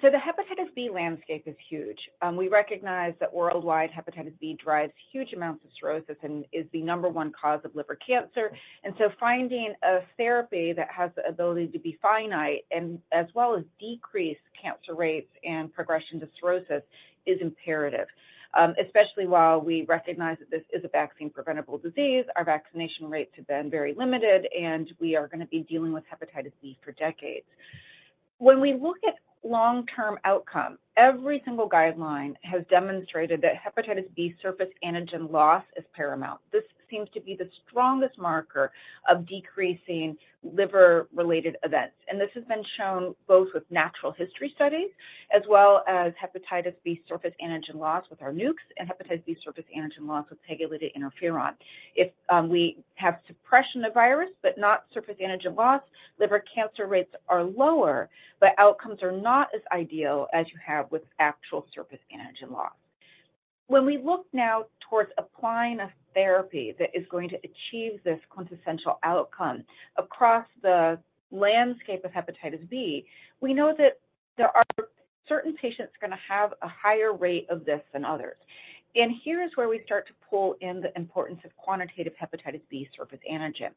So the hepatitis B landscape is huge. We recognize that worldwide, hepatitis B drives huge amounts of cirrhosis and is the number one cause of liver cancer. And so finding a therapy that has the ability to be finite and as well as decrease cancer rates and progression to cirrhosis is imperative, especially while we recognize that this is a vaccine-preventable disease. Our vaccination rates have been very limited, and we are going to be dealing with hepatitis B for decades. When we look at long-term outcomes, every single guideline has demonstrated that hepatitis B surface antigen loss is paramount. This seems to be the strongest marker of decreasing liver-related events. And this has been shown both with natural history studies as well as hepatitis B surface antigen loss with our Nucs and hepatitis B surface antigen loss with pegylated interferon. If we have suppression of virus but not surface antigen loss, liver cancer rates are lower, but outcomes are not as ideal as you have with actual surface antigen loss. When we look now towards applying a therapy that is going to achieve this quintessential outcome across the landscape of hepatitis B, we know that there are certain patients going to have a higher rate of this than others. Here is where we start to pull in the importance of quantitative hepatitis B surface antigen.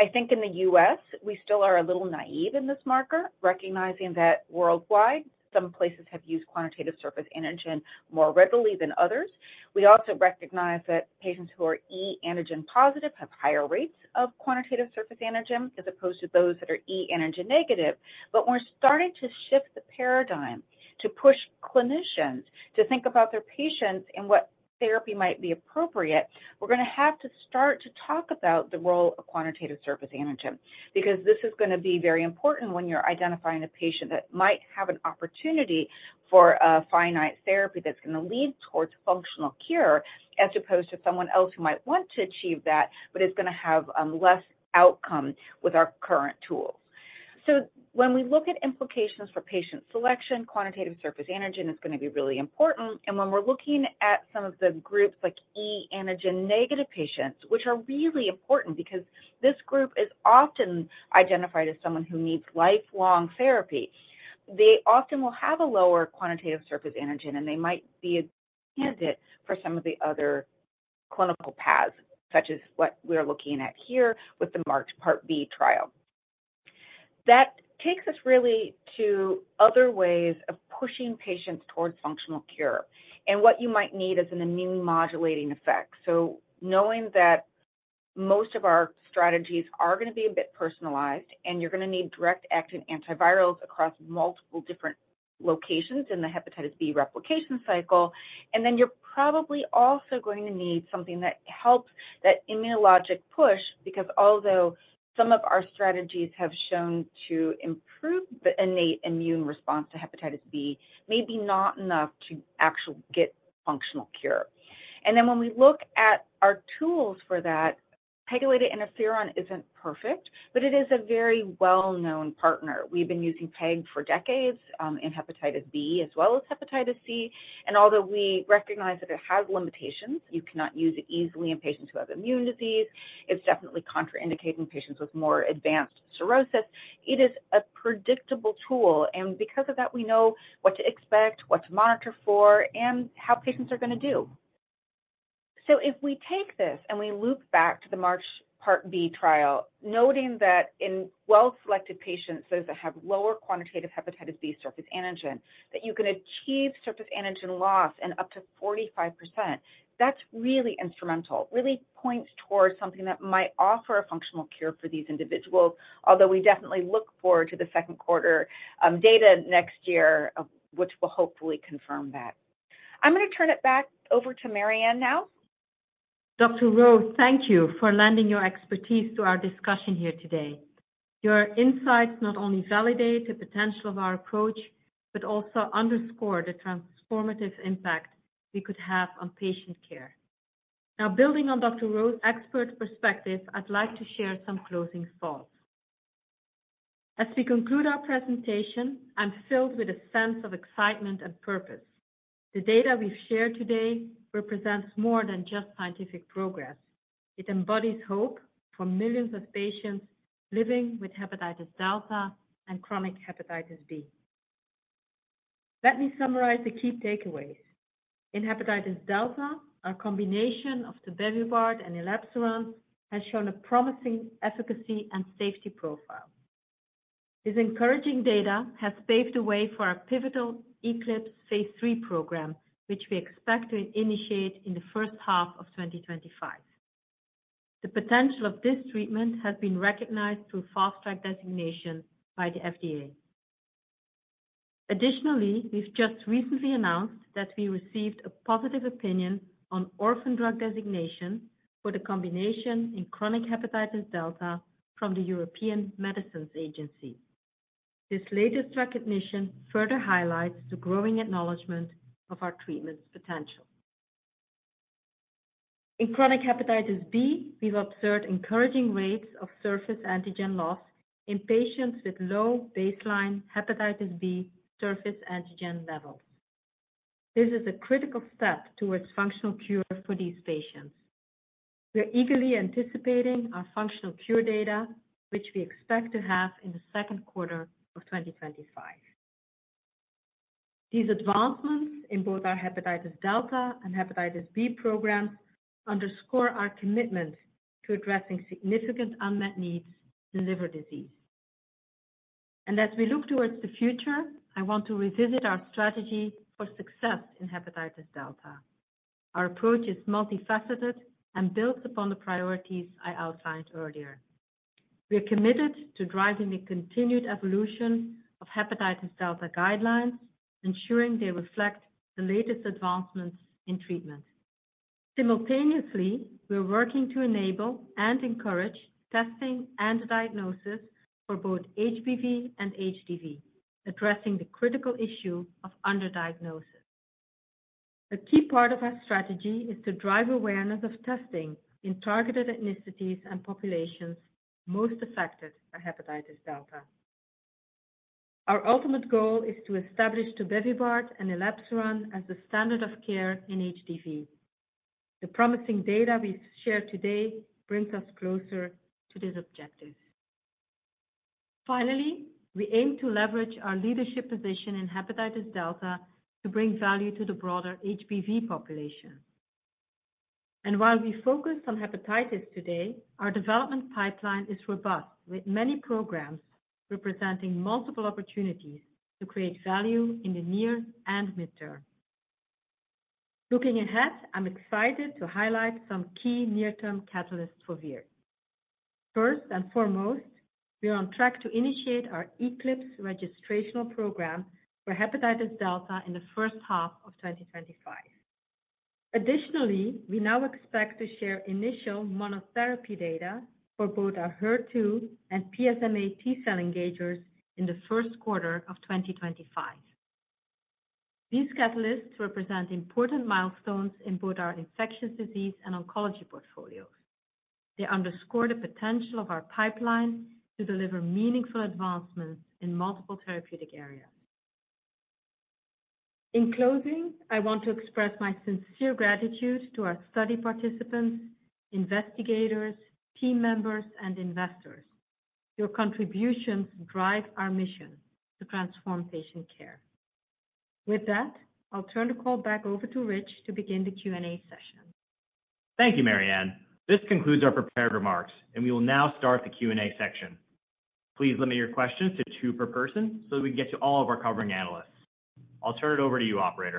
I think in the U.S., we still are a little naive in this marker, recognizing that worldwide, some places have used quantitative surface antigen more readily than others. We also recognize that patients who are e antigen positive have higher rates of quantitative surface antigen as opposed to those that are e antigen negative. But when we're starting to shift the paradigm to push clinicians to think about their patients and what therapy might be appropriate, we're going to have to start to talk about the role of quantitative surface antigen because this is going to be very important when you're identifying a patient that might have an opportunity for a finite therapy that's going to lead towards functional cure as opposed to someone else who might want to achieve that but is going to have less outcome with our current tools. So when we look at implications for patient selection, quantitative surface antigen is going to be really important. And when we're looking at some of the groups like e antigen negative patients, which are really important because this group is often identified as someone who needs lifelong therapy, they often will have a lower quantitative surface antigen, and they might be a candidate for some of the other clinical paths, such as what we're looking at here with the MARCH part B trial. That takes us really to other ways of pushing patients towards functional cure. And what you might need is an immune-modulating effect. So knowing that most of our strategies are going to be a bit personalized, and you're going to need direct-acting antivirals across multiple different locations in the hepatitis B replication cycle. And then you're probably also going to need something that helps that immunologic push because although some of our strategies have shown to improve the innate immune response to hepatitis B, maybe not enough to actually get functional cure. And then when we look at our tools for that, pegylated interferon isn't perfect, but it is a very well-known partner. We've been using PEG for decades in hepatitis B as well as hepatitis C. And although we recognize that it has limitations, you cannot use it easily in patients who have immune disease. It's definitely contraindicated in patients with more advanced cirrhosis. It is a predictable tool. And because of that, we know what to expect, what to monitor for, and how patients are going to do. So if we take this and we loop back to the MARCH phase IIb trial, noting that in well-selected patients, those that have lower quantitative hepatitis B surface antigen, that you can achieve surface antigen loss in up to 45%, that's really instrumental, really points towards something that might offer a functional cure for these individuals, although we definitely look forward to the second quarter data next year, which will hopefully confirm that. I'm going to turn it back over to Marianne now. Dr. Reau, thank you for lending your expertise to our discussion here today. Your insights not only validate the potential of our approach, but also underscore the transformative impact we could have on patient care. Now, building on Dr. Reau's expert perspective, I'd like to share some closing thoughts. As we conclude our presentation, I'm filled with a sense of excitement and purpose. The data we've shared today represents more than just scientific progress. It embodies hope for millions of patients living with hepatitis delta and chronic hepatitis B. Let me summarize the key takeaways. In hepatitis delta, our combination of Tobevibart and elebsiran has shown a promising efficacy and safety profile. This encouraging data has paved the way for our pivotal ECLIPSE phase III program, which we expect to initiate in the first half of 2025. The potential of this treatment has been recognized through Fast Track designation by the FDA. Additionally, we've just recently announced that we received a positive opinion on Orphan Drug Designation for the combination in chronic hepatitis delta from the European Medicines Agency. This latest recognition further highlights the growing acknowledgment of our treatment's potential. In chronic hepatitis B, we've observed encouraging rates of surface antigen loss in patients with low baseline hepatitis B surface antigen levels. This is a critical step towards functional cure for these patients. We're eagerly anticipating our functional cure data, which we expect to have in the second quarter of 2025. These advancements in both our hepatitis delta and hepatitis B programs underscore our commitment to addressing significant unmet needs in liver disease, and as we look toward the future, I want to revisit our strategy for success in hepatitis delta. Our approach is multifaceted and built upon the priorities I outlined earlier. We're committed to driving the continued evolution of hepatitis delta guidelines, ensuring they reflect the latest advancements in treatment. Simultaneously, we're working to enable and encourage testing and diagnosis for both HBV and HDV, addressing the critical issue of underdiagnosis. A key part of our strategy is to drive awareness of testing in targeted ethnicities and populations most affected by hepatitis delta. Our ultimate goal is to establish Tobevibart and elebsiran as the standard of care in HDV. The promising data we've shared today brings us closer to this objective. Finally, we aim to leverage our leadership position in hepatitis delta to bring value to the broader HBV population. And while we focus on hepatitis today, our development pipeline is robust, with many programs representing multiple opportunities to create value in the near and midterm. Looking ahead, I'm excited to highlight some key near-term catalysts for Vir. First and foremost, we're on track to initiate our ECLIPSE registrational program for hepatitis delta in the first half of 2025. Additionally, we now expect to share initial monotherapy data for both our HER2 and PSMA T-cell engagers in the first quarter of 2025. These catalysts represent important milestones in both our infectious disease and oncology portfolios. They underscore the potential of our pipeline to deliver meaningful advancements in multiple therapeutic areas. In closing, I want to express my sincere gratitude to our study participants, investigators, team members, and investors. Your contributions drive our mission to transform patient care. With that, I'll turn the call back over to Rich to begin the Q&A session. Thank you, Marianne. This concludes our prepared remarks, and we will now start the Q&A section. Please limit your questions to two per person so that we can get to all of our covering analysts. I'll turn it over to you, Operator.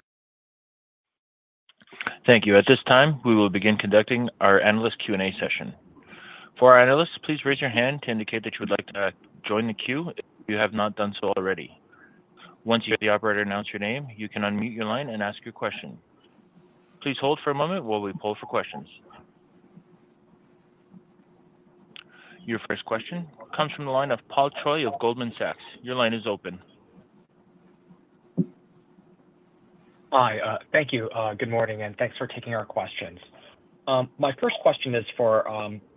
Thank you. At this time, we will begin conducting our analyst Q&A session. For our analysts, please raise your hand to indicate that you would like to join the queue if you have not done so already. Once you hear the operator announce your name, you can unmute your line and ask your question. Please hold for a moment while we poll for questions. Your first question comes from the line of Paul Choi of Goldman Sachs. Your line is open. Hi. Thank you. Good morning, and thanks for taking our questions. My first question is for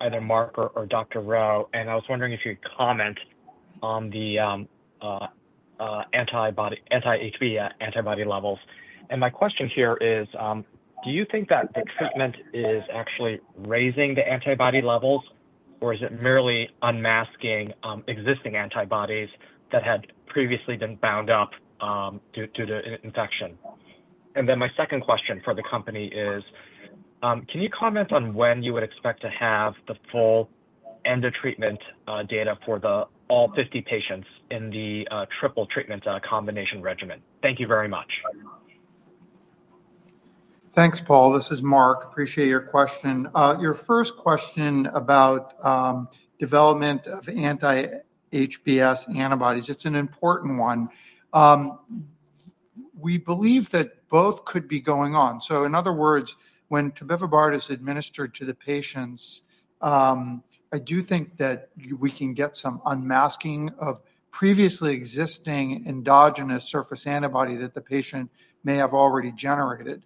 either Mark or Dr. Reau, and I was wondering if you could comment on the anti-HBs antibody levels. And my question here is, do you think that the treatment is actually raising the antibody levels, or is it merely unmasking existing antibodies that had previously been bound up due to infection? And then my second question for the company is, can you comment on when you would expect to have the full end of treatment data for all 50 patients in the triple treatment combination regimen? Thank you very much. Thanks, Paul. This is Mark. Appreciate your question. Your first question about development of anti-HBs antibodies, it's an important one. We believe that both could be going on. So in other words, when Tobevibart is administered to the patients, I do think that we can get some unmasking of previously existing endogenous surface antibody that the patient may have already generated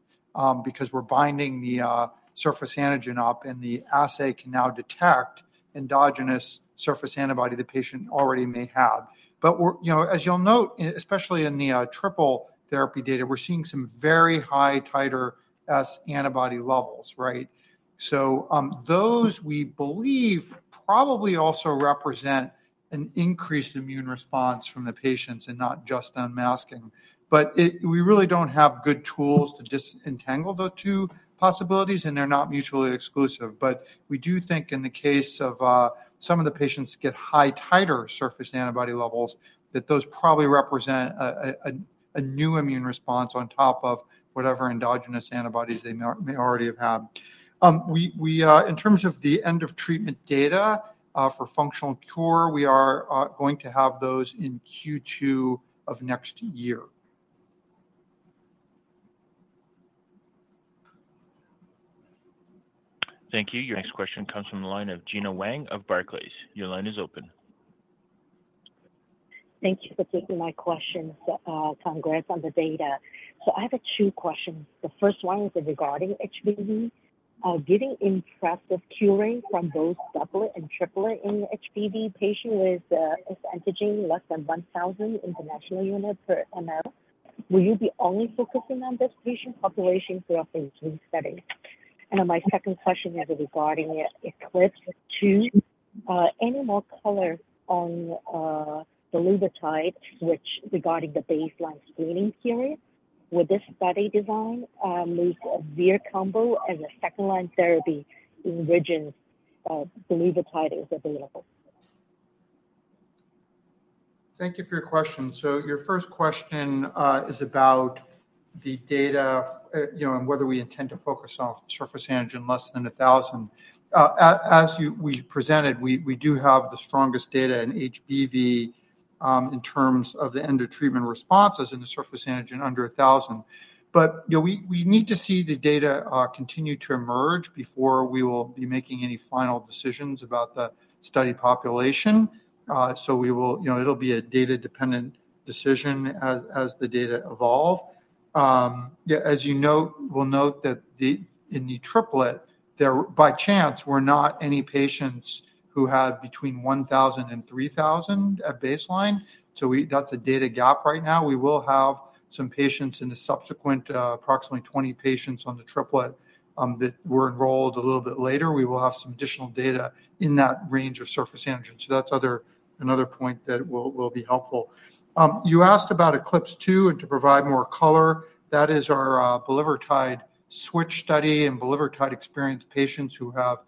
because we're binding the surface antigen up, and the assay can now detect endogenous surface antibody the patient already may have. But as you'll note, especially in the triple therapy data, we're seeing some very high titer S antibody levels, right? So those we believe probably also represent an increased immune response from the patients and not just unmasking. But we really don't have good tools to disentangle the two possibilities, and they're not mutually exclusive. But we do think in the case of some of the patients that get high titer surface antibody levels, that those probably represent a new immune response on top of whatever endogenous antibodies they may already have had. In terms of the end of treatment data for functional cure, we are going to have those in Q2 of next year. Thank you. Your next question comes from the line of Gina Wang of Barclays. Your line is open. Thank you for taking my questions. Congrats on the data. So I have two questions. The first one is regarding HBV. Getting impressed with curing from both double and triple in HBV patient with antigen less than 1,000 international units per mL, will you be only focusing on this patient population throughout the disease study? And my second question is regarding ECLIPSE II. Any more color on bulevirtide, which regarding the baseline screening period, would this study design move Vir combo as a second-line therapy in regions where bulevirtide is available? Thank you for your question. So your first question is about the data and whether we intend to focus on surface antigen less than 1,000. As we presented, we do have the strongest data in HBV in terms of the end of treatment responses in the surface antigen under 1,000. But we need to see the data continue to emerge before we will be making any final decisions about the study population. So it'll be a data-dependent decision as the data evolve. As you know, we'll note that in the triplet, by chance, we have no patients who have between 1,000 and 3,000 at baseline. So that's a data gap right now. We will have some patients in the subsequent approximately 20 patients on the triplet that were enrolled a little bit later. We will have some additional data in that range of surface antigen. So that's another point that will be helpful. You asked about ECLIPSE and to provide more color. That is our bulevirtide switch study and bulevirtide experienced patients who have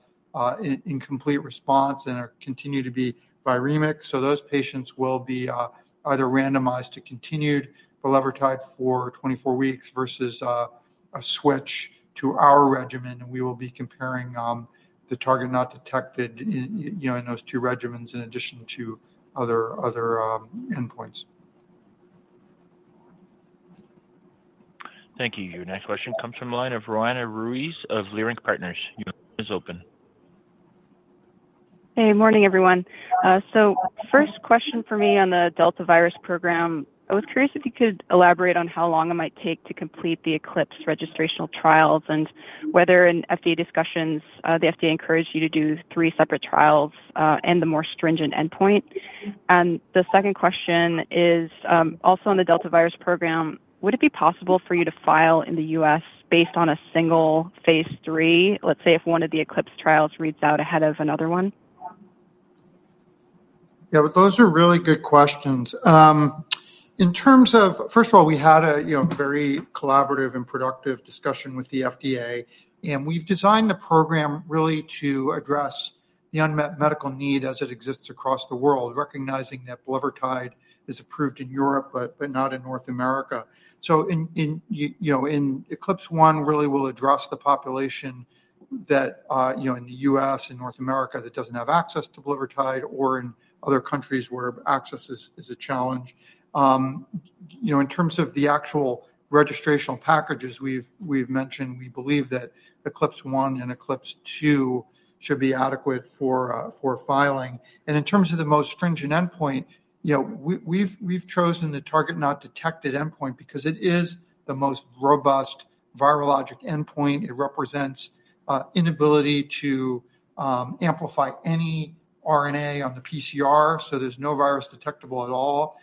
incomplete response and continue to be viremic. So those patients will be either randomized to continued bulevirtide for 24 weeks versus a switch to our regimen. And we will be comparing the target not detected in those two regimens in addition to other endpoints. Thank you. Your next question comes from the line of Roanna Ruiz of Leerink Partners. Your line is open. Hey, morning, everyone. So first question for me on the delta virus program, I was curious if you could elaborate on how long it might take to complete the ECLIPSE registrational trials and whether in FDA discussions, the FDA encouraged you to do three separate trials and the more stringent endpoint. And the second question is also on the delta virus program, would it be possible for you to file in the U.S. based on a single phase 3, let's say if one of the ECLIPSE trials reads out ahead of another one? Yeah, those are really good questions. In terms of, first of all, we had a very collaborative and productive discussion with the FDA. And we've designed the program really to address the unmet medical need as it exists across the world, recognizing that bulevirtide is approved in Europe, but not in North America. So in ECLIPSE I really will address the population that in the U.S. and North America that doesn't have access to bulevirtide or in other countries where access is a challenge. In terms of the actual registrational packages we've mentioned, we believe that ECLIPSE I and ECLIPSE II should be adequate for filing. And in terms of the most stringent endpoint, we've chosen the target not detected endpoint because it is the most robust virologic endpoint. It represents inability to amplify any RNA on the PCR, so there's no virus detectable at all.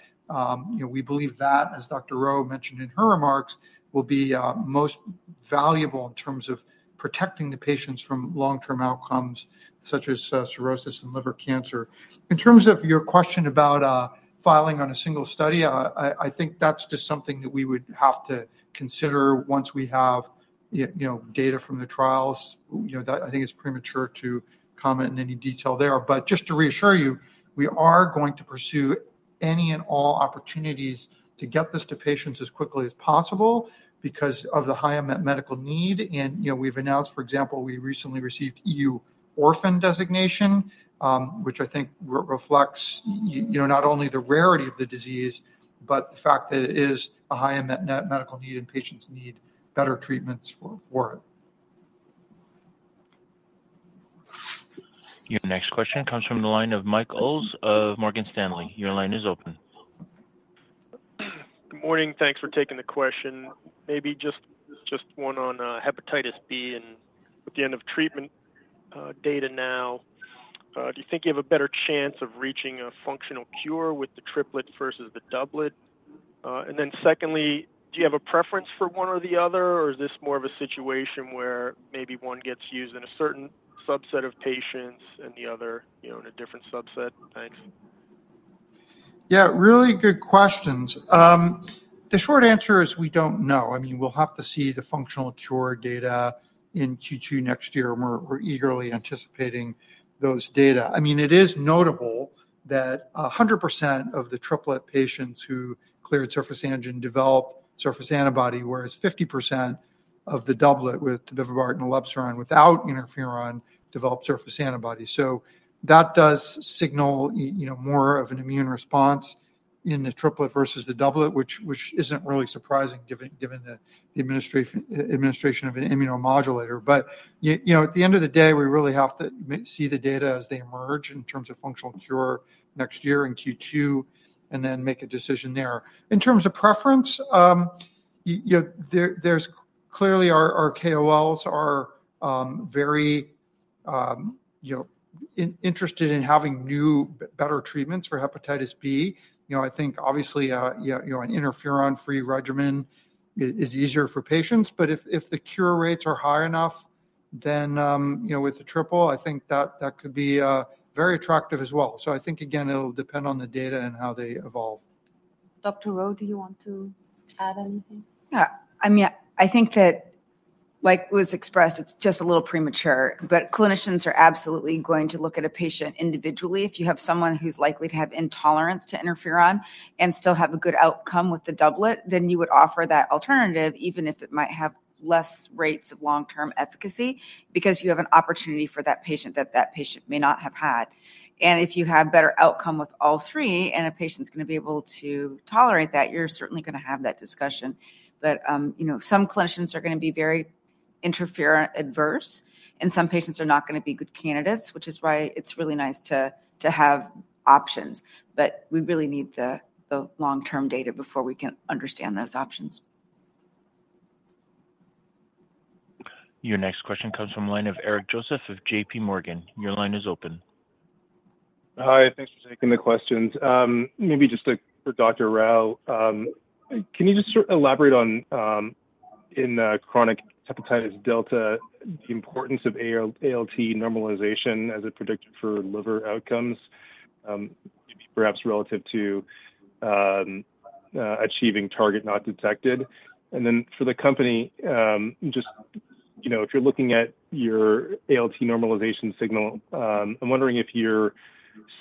We believe that, as Dr. Reau mentioned in her remarks, will be most valuable in terms of protecting the patients from long-term outcomes such as cirrhosis and liver cancer. In terms of your question about filing on a single study, I think that's just something that we would have to consider once we have data from the trials. I think it's premature to comment in any detail there. But just to reassure you, we are going to pursue any and all opportunities to get this to patients as quickly as possible because of the high unmet medical need, and we've announced, for example, we recently received E.U. orphan designation, which I think reflects not only the rarity of the disease, but the fact that it is a high unmet medical need and patients need better treatments for it. Your next question comes from the line of Mike Ulz of Morgan Stanley. Your line is open. Good morning. Thanks for taking the question. Maybe just one on hepatitis B and with the end of treatment data now, do you think you have a better chance of reaching a functional cure with the triplet versus the doublet? And then secondly, do you have a preference for one or the other, or is this more of a situation where maybe one gets used in a certain subset of patients and the other in a different subset? Thanks. Yeah, really good questions. The short answer is we don't know. I mean, we'll have to see the functional cure data in Q2 next year. We're eagerly anticipating those data. I mean, it is notable that 100% of the triplet patients who cleared surface antigen developed surface antibody, whereas 50% of the doublet with Tobevibart and elebsiran without interferon developed surface antibody. So that does signal more of an immune response in the triplet versus the doublet, which isn't really surprising given the administration of an immunomodulator. But at the end of the day, we really have to see the data as they emerge in terms of functional cure next year in Q2 and then make a decision there. In terms of preference, clearly our KOLs are very interested in having new better treatments for hepatitis B. I think obviously an interferon-free regimen is easier for patients. But if the cure rates are high enough, then with the triple, I think that could be very attractive as well. So I think, again, it'll depend on the data and how they evolve. Dr. Reau, do you want to add anything? Yeah. I mean, I think that, like it was expressed, it's just a little premature. But clinicians are absolutely going to look at a patient individually. If you have someone who's likely to have intolerance to interferon and still have a good outcome with the doublet, then you would offer that alternative even if it might have less rates of long-term efficacy because you have an opportunity for that patient that that patient may not have had. And if you have better outcome with all three and a patient's going to be able to tolerate that, you're certainly going to have that discussion. But some clinicians are going to be very interferon adverse, and some patients are not going to be good candidates, which is why it's really nice to have options. But we really need the long-term data before we can understand those options. Your next question comes from the line of Eric Joseph of J.P. Morgan. Your line is open. Hi. Thanks for taking the questions. Maybe just for Dr. Reau, can you just elaborate on, in chronic hepatitis delta, the importance of ALT normalization as a predictor for liver outcomes, perhaps relative to achieving target not detected? And then for the company, just if you're looking at your ALT normalization signal, I'm wondering if you're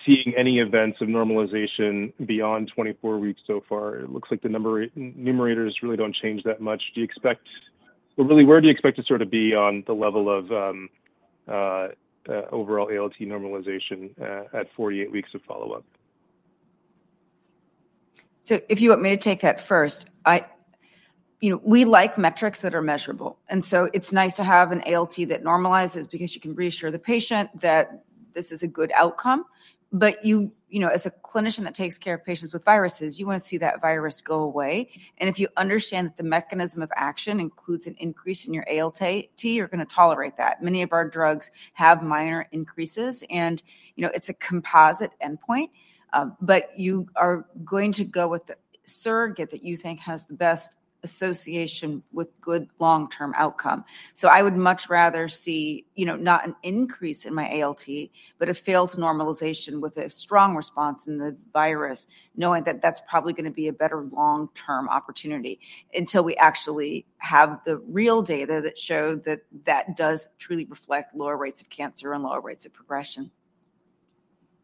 seeing any events of normalization beyond 24 weeks so far. It looks like the numerators really don't change that much. Do you expect, well, really, where do you expect to sort of be on the level of overall ALT normalization at 48 weeks of follow-up? So if you want me to take that first, we like metrics that are measurable. And so it's nice to have an ALT that normalizes because you can reassure the patient that this is a good outcome. But as a clinician that takes care of patients with viruses, you want to see that virus go away. And if you understand that the mechanism of action includes an increase in your ALT, you're going to tolerate that. Many of our drugs have minor increases, and it's a composite endpoint. But you are going to go with the surrogate that you think has the best association with good long-term outcome. So I would much rather see not an increase in my ALT, but a failed normalization with a strong response in the virus, knowing that that's probably going to be a better long-term opportunity until we actually have the real data that show that that does truly reflect lower rates of cancer and lower rates of progression.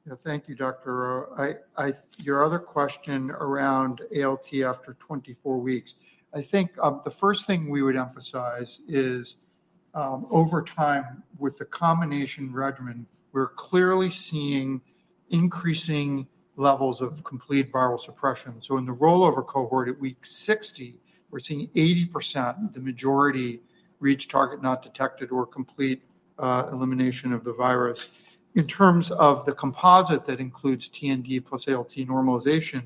Yeah, thank you, Dr. Reau. Your other question around ALT after 24 weeks, I think the first thing we would emphasize is over time with the combination regimen, we're clearly seeing increasing levels of complete viral suppression, so in the rollover cohort at week 60, we're seeing 80%, the majority reach target not detected or complete elimination of the virus. In terms of the composite that includes TND plus ALT normalization,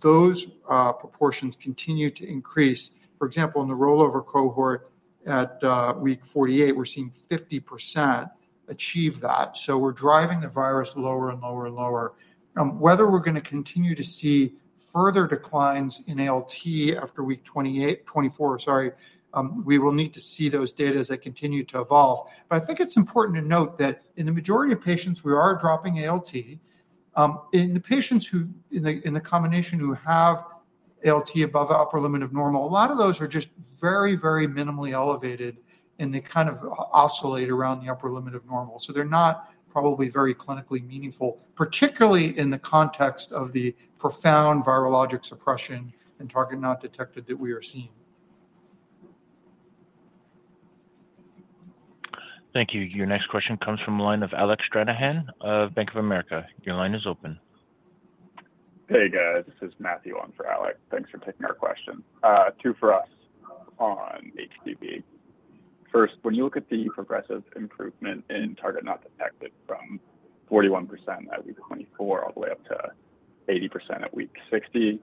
those proportions continue to increase. For example, in the rollover cohort at week 48, we're seeing 50% achieve that, so we're driving the virus lower and lower and lower. Whether we're going to continue to see further declines in ALT after week 24, sorry, we will need to see those data as they continue to evolve, but I think it's important to note that in the majority of patients, we are dropping ALT. In the patients in the combination who have ALT above the upper limit of normal, a lot of those are just very, very minimally elevated, and they kind of oscillate around the upper limit of normal, so they're not probably very clinically meaningful, particularly in the context of the profound virologic suppression and target not detected that we are seeing. Thank you. Your next question comes from the line of Alec Stranahan of Bank of America. Your line is open. Hey, guys. This is Matthew on for Alec. Thanks for taking our question. Two for us on HDV. First, when you look at the progressive improvement in target not detected from 41% at week 24 all the way up to 80% at week 60,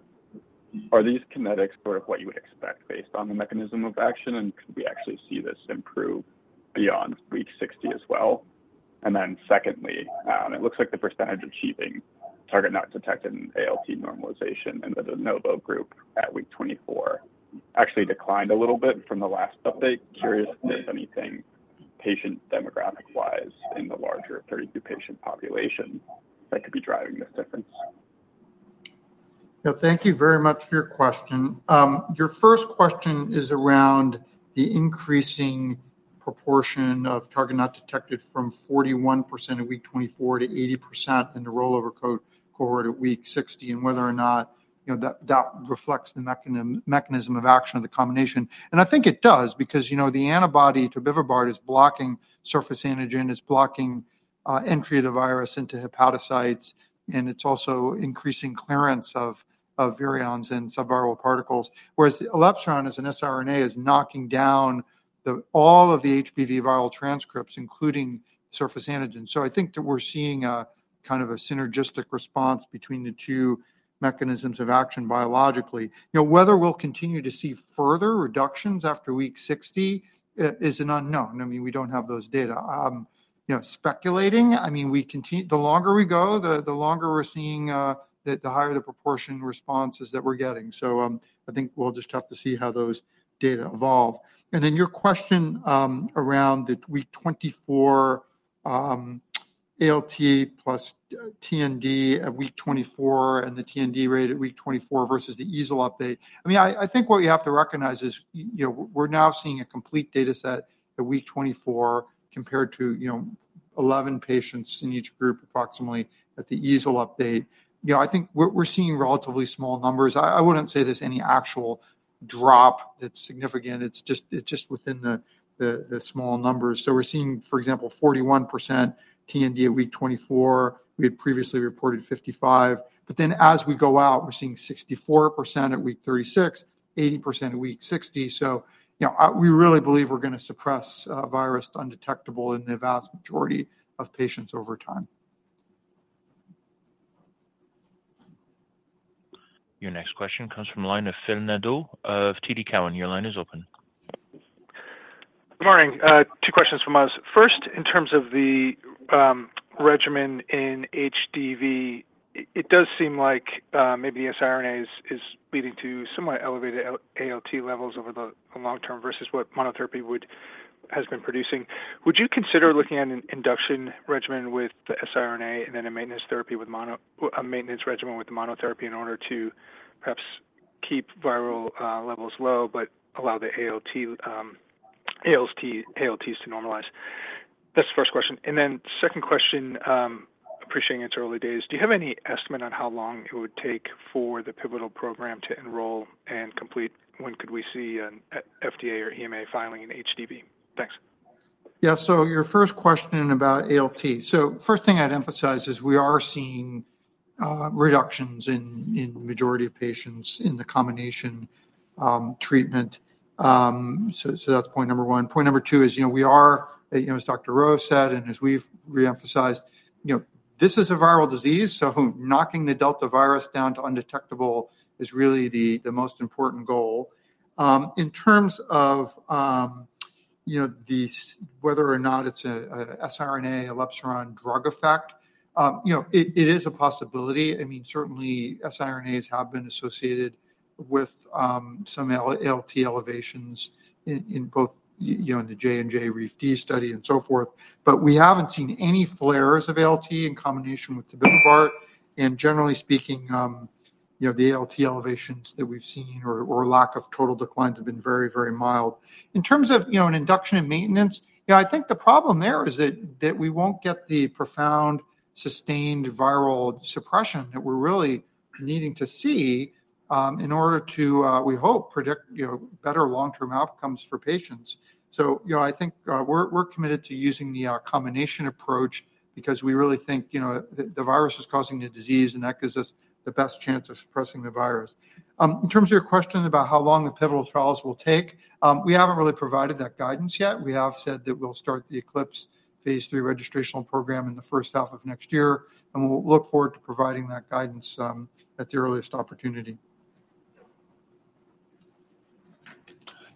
are these kinetics sort of what you would expect based on the mechanism of action? Can we actually see this improve beyond week 60 as well? Then secondly, it looks like the percentage achieving target not detected in ALT normalization and the de novo group at week 24 actually declined a little bit from the last update. Curious if there's anything patient demographic-wise in the larger 32-patient population that could be driving this difference. Yeah, thank you very much for your question. Your first question is around the increasing proportion of target not detected from 41% at week 24 to 80% in the rollover cohort at week 60 and whether or not that reflects the mechanism of action of the combination. I think it does because the antibody to Tobevibart is blocking surface antigen. It's blocking entry of the virus into hepatocytes, and it's also increasing clearance of virions and subviral particles, whereas elebsiran as an siRNA is knocking down all of the HBV viral transcripts, including surface antigen. I think that we're seeing kind of a synergistic response between the two mechanisms of action biologically. Whether we'll continue to see further reductions after week 60 is an unknown. I mean, we don't have those data. Speculating, I mean, the longer we go, the longer we're seeing the higher the proportion responses that we're getting. I think we'll just have to see how those data evolve. Then your question around the week 24 ALT plus TND at week 24 and the TND rate at week 24 versus the EASL update. I mean, I think what we have to recognize is we're now seeing a complete data set at week 24 compared to 11 patients in each group approximately at the ECLIPSE update. I think we're seeing relatively small numbers. I wouldn't say there's any actual drop that's significant. It's just within the small numbers. So we're seeing, for example, 41% TND at week 24. We had previously reported 55%. But then as we go out, we're seeing 64% at week 36, 80% at week 60. So we really believe we're going to suppress virus undetectable in the vast majority of patients over time. Your next question comes from the line of Phil Nadeau of TD Cowen. Your line is open. Good morning. Two questions from us. First, in terms of the regimen in HDV, it does seem like maybe the siRNA is leading to somewhat elevated ALT levels over the long term versus what monotherapy has been producing. Would you consider looking at an induction regimen with the siRNA and then a maintenance regimen with the monotherapy in order to perhaps keep viral levels low but allow the ALTs to normalize? That's the first question. And then second question, appreciating it's early days, do you have any estimate on how long it would take for the pivotal program to enroll and complete? When could we see an FDA or EMA filing in HDV? Thanks. Yeah. So your first question about ALT, so first thing I'd emphasize is we are seeing reductions in the majority of patients in the combination treatment. So that's point number one. Point number two is we are, as Dr. Reau said, and as we've reemphasized, this is a viral disease. So knocking the Delta virus down to undetectable is really the most important goal. In terms of whether or not it's an siRNA, elebsiran drug effect, it is a possibility. I mean, certainly siRNAs have been associated with some ALT elevations in both the J&J REEF-D study, and so forth. But we haven't seen any flares of ALT in combination with Tobevibart. And generally speaking, the ALT elevations that we've seen or lack of total declines have been very, very mild. In terms of an induction and maintenance, yeah, I think the problem there is that we won't get the profound sustained viral suppression that we're really needing to see in order to, we hope, predict better long-term outcomes for patients. So I think we're committed to using the combination approach because we really think the virus is causing the disease, and that gives us the best chance of suppressing the virus. In terms of your question about how long the pivotal trials will take, we haven't really provided that guidance yet. We have said that we'll start the ECLIPSE phase III registrational program in the first half of next year. And we'll look forward to providing that guidance at the earliest opportunity.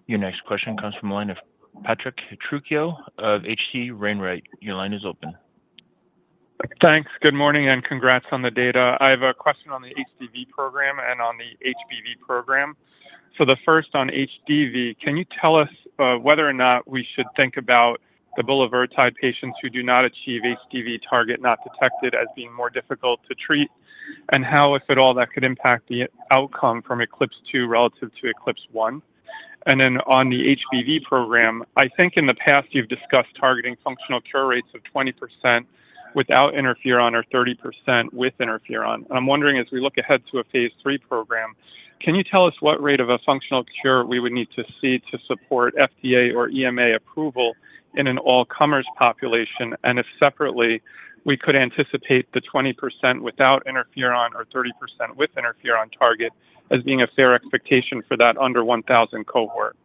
Your next question comes from the line of Patrick Trucchio of H.C. Wainwright & Co. Your line is open. Thanks. Good morning and congrats on the data. I have a question on the HDV program and on the HBV program. So the first on HDV, can you tell us whether or not we should think about the Bulevirtide patients who do not achieve HDV target not detected as being more difficult to treat and how, if at all, that could impact the outcome from ECLIPSE II relative to ECLIPSE I? And then on the HBV program, I think in the past you've discussed targeting functional cure rates of 20% without interferon or 30% with interferon. And I'm wondering, as we look ahead to a phase III program, can you tell us what rate of a functional cure we would need to see to support FDA or EMA approval in an all-comers population? And if separately, we could anticipate the 20% without interferon or 30% with interferon target as being a fair expectation for that under 1,000 cohort?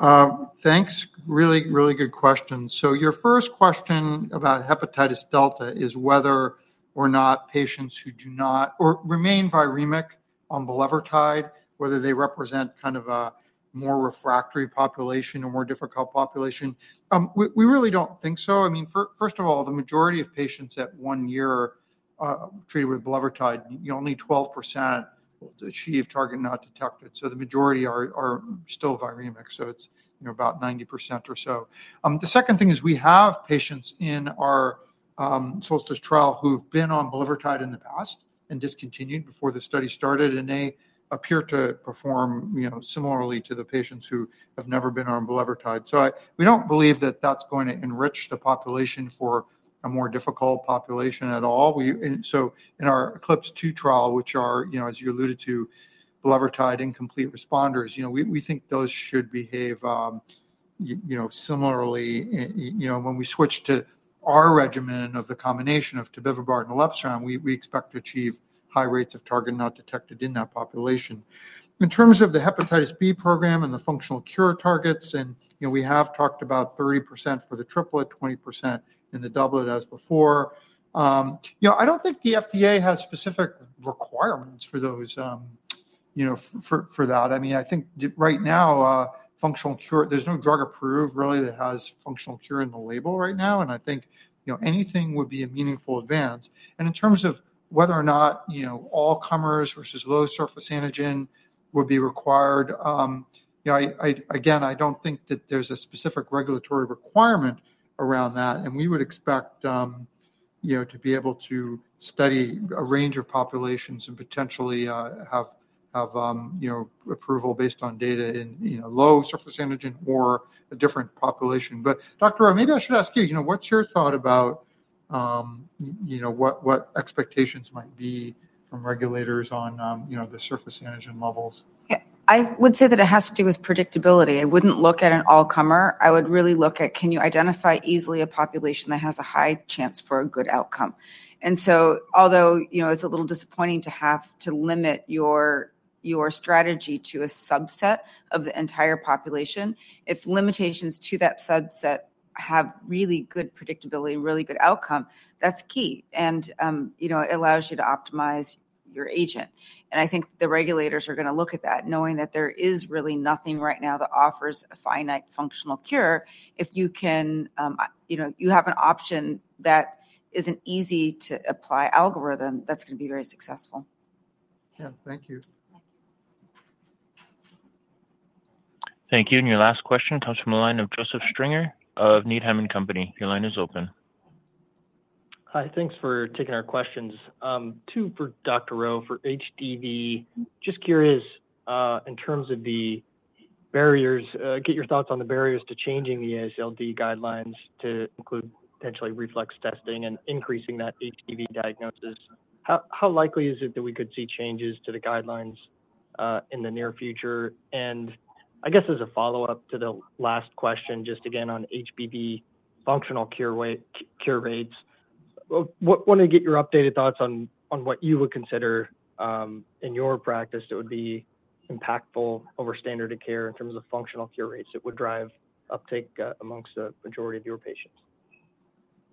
Thanks. Really, really good question. So your first question about hepatitis delta is whether or not patients who do not or remain viremic on bulevirtide, whether they represent kind of a more refractory population or more difficult population. We really don't think so. I mean, first of all, the majority of patients at one year treated with bulevirtide, only 12% achieve target not detected. So the majority are still viremic. So it's about 90% or so. The second thing is we have patients in our SOLSTICE trial who've been on bulevirtide in the past and discontinued before the study started, and they appear to perform similarly to the patients who have never been on bulevirtide. So we don't believe that that's going to enrich the population for a more difficult population at all. So in our ECLIPSE II trial, which are, as you alluded to, bulevirtide incomplete responders, we think those should behave similarly. When we switch to our regimen of the combination of Tobevibart and elebsiran, we expect to achieve high rates of target not detected in that population. In terms of the hepatitis B program and the functional cure targets, and we have talked about 30% for the triplet, 20% in the doublet as before. I don't think the FDA has specific requirements for those for that. I mean, I think right now, functional cure, there's no drug approved really that has functional cure in the label right now. And I think anything would be a meaningful advance. And in terms of whether or not all-comers versus low surface antigen would be required, again, I don't think that there's a specific regulatory requirement around that. And we would expect to be able to study a range of populations and potentially have approval based on data in low surface antigen or a different population. But Dr. Reau, maybe I should ask you, what's your thought about what expectations might be from regulators on the surface antigen levels? I would say that it has to do with predictability. I wouldn't look at an all-comer. I would really look at, can you identify easily a population that has a high chance for a good outcome? And so although it's a little disappointing to have to limit your strategy to a subset of the entire population, if limitations to that subset have really good predictability, really good outcome, that's key. And it allows you to optimize your agent. And I think the regulators are going to look at that, knowing that there is really nothing right now that offers a finite functional cure. If you have an option that is an easy-to-apply algorithm, that's going to be very successful. Yeah. Thank you. Thank you. Thank you. And your last question comes from the line of Joseph Stringer of Needham & Company. Your line is open. Hi. Thanks for taking our questions. Two for Dr. Reau for HDV. Just curious, in terms of the barriers, get your thoughts on the barriers to changing the AASLD guidelines to include potentially reflex testing and increasing that HDV diagnosis. How likely is it that we could see changes to the guidelines in the near future? As a follow-up to the last question, just again on HBV functional cure rates, I wanted to get your updated thoughts on what you would consider in your practice that would be impactful over standard of care in terms of functional cure rates that would drive uptake among the majority of your patients.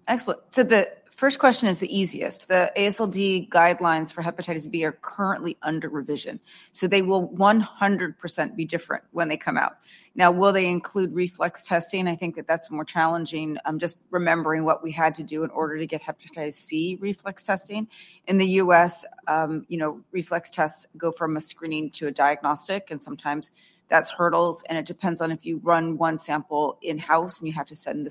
Excellent. So the first question is the easiest. The AASLD guidelines for hepatitis B are currently under revision. So they will 100% be different when they come out. Now, will they include reflex testing? I think that that's more challenging. I'm just remembering what we had to do in order to get hepatitis C reflex testing. In the U.S., reflex tests go from a screening to a diagnostic. And sometimes that's hurdles. And it depends on if you run one sample in-house and you have to send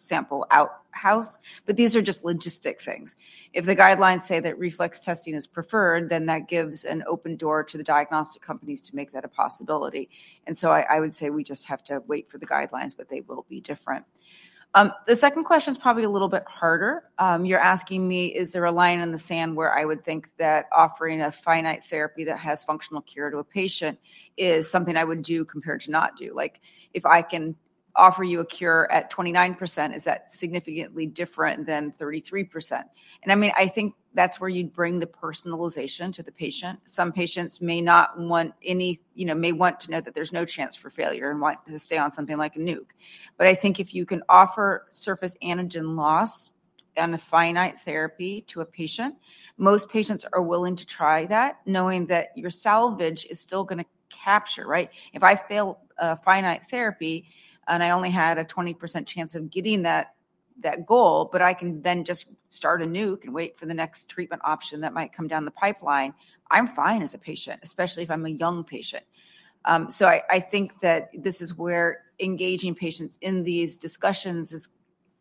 the second sample out of house. But these are just logistics things. If the guidelines say that reflex testing is preferred, then that gives an open door to the diagnostic companies to make that a possibility. And so I would say we just have to wait for the guidelines, but they will be different. The second question is probably a little bit harder. You're asking me, is there a line in the sand where I would think that offering a finite therapy that has functional cure to a patient is something I would do compared to not do? If I can offer you a cure at 29%, is that significantly different than 33%? And I mean, I think that's where you'd bring the personalization to the patient. Some patients may not want any may want to know that there's no chance for failure and want to stay on something like a Nuc. But I think if you can offer surface antigen loss and a finite therapy to a patient, most patients are willing to try that, knowing that your salvage is still going to capture, right? If I fail a finite therapy and I only had a 20% chance of getting that goal, but I can then just start a Nuc and wait for the next treatment option that might come down the pipeline, I'm fine as a patient, especially if I'm a young patient. So I think that this is where engaging patients in these discussions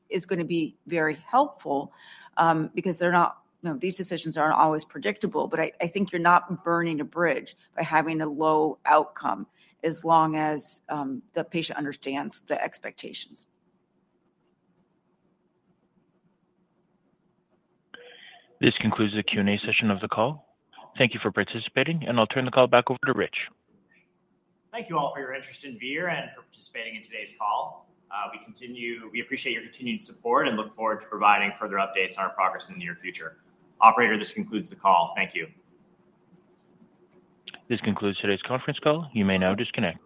is going to be very helpful because these decisions aren't always predictable. But I think you're not burning a bridge by having a low outcome as long as the patient understands the expectations. This concludes the Q&A session of the call. Thank you for participating. And I'll turn the call back over to Rich. Thank you all for your interest in Vir and for participating in today's call. We appreciate your continued support and look forward to providing further updates on our progress in the near future. Operator, this concludes the call. Thank you. This concludes today's conference call. You may now disconnect.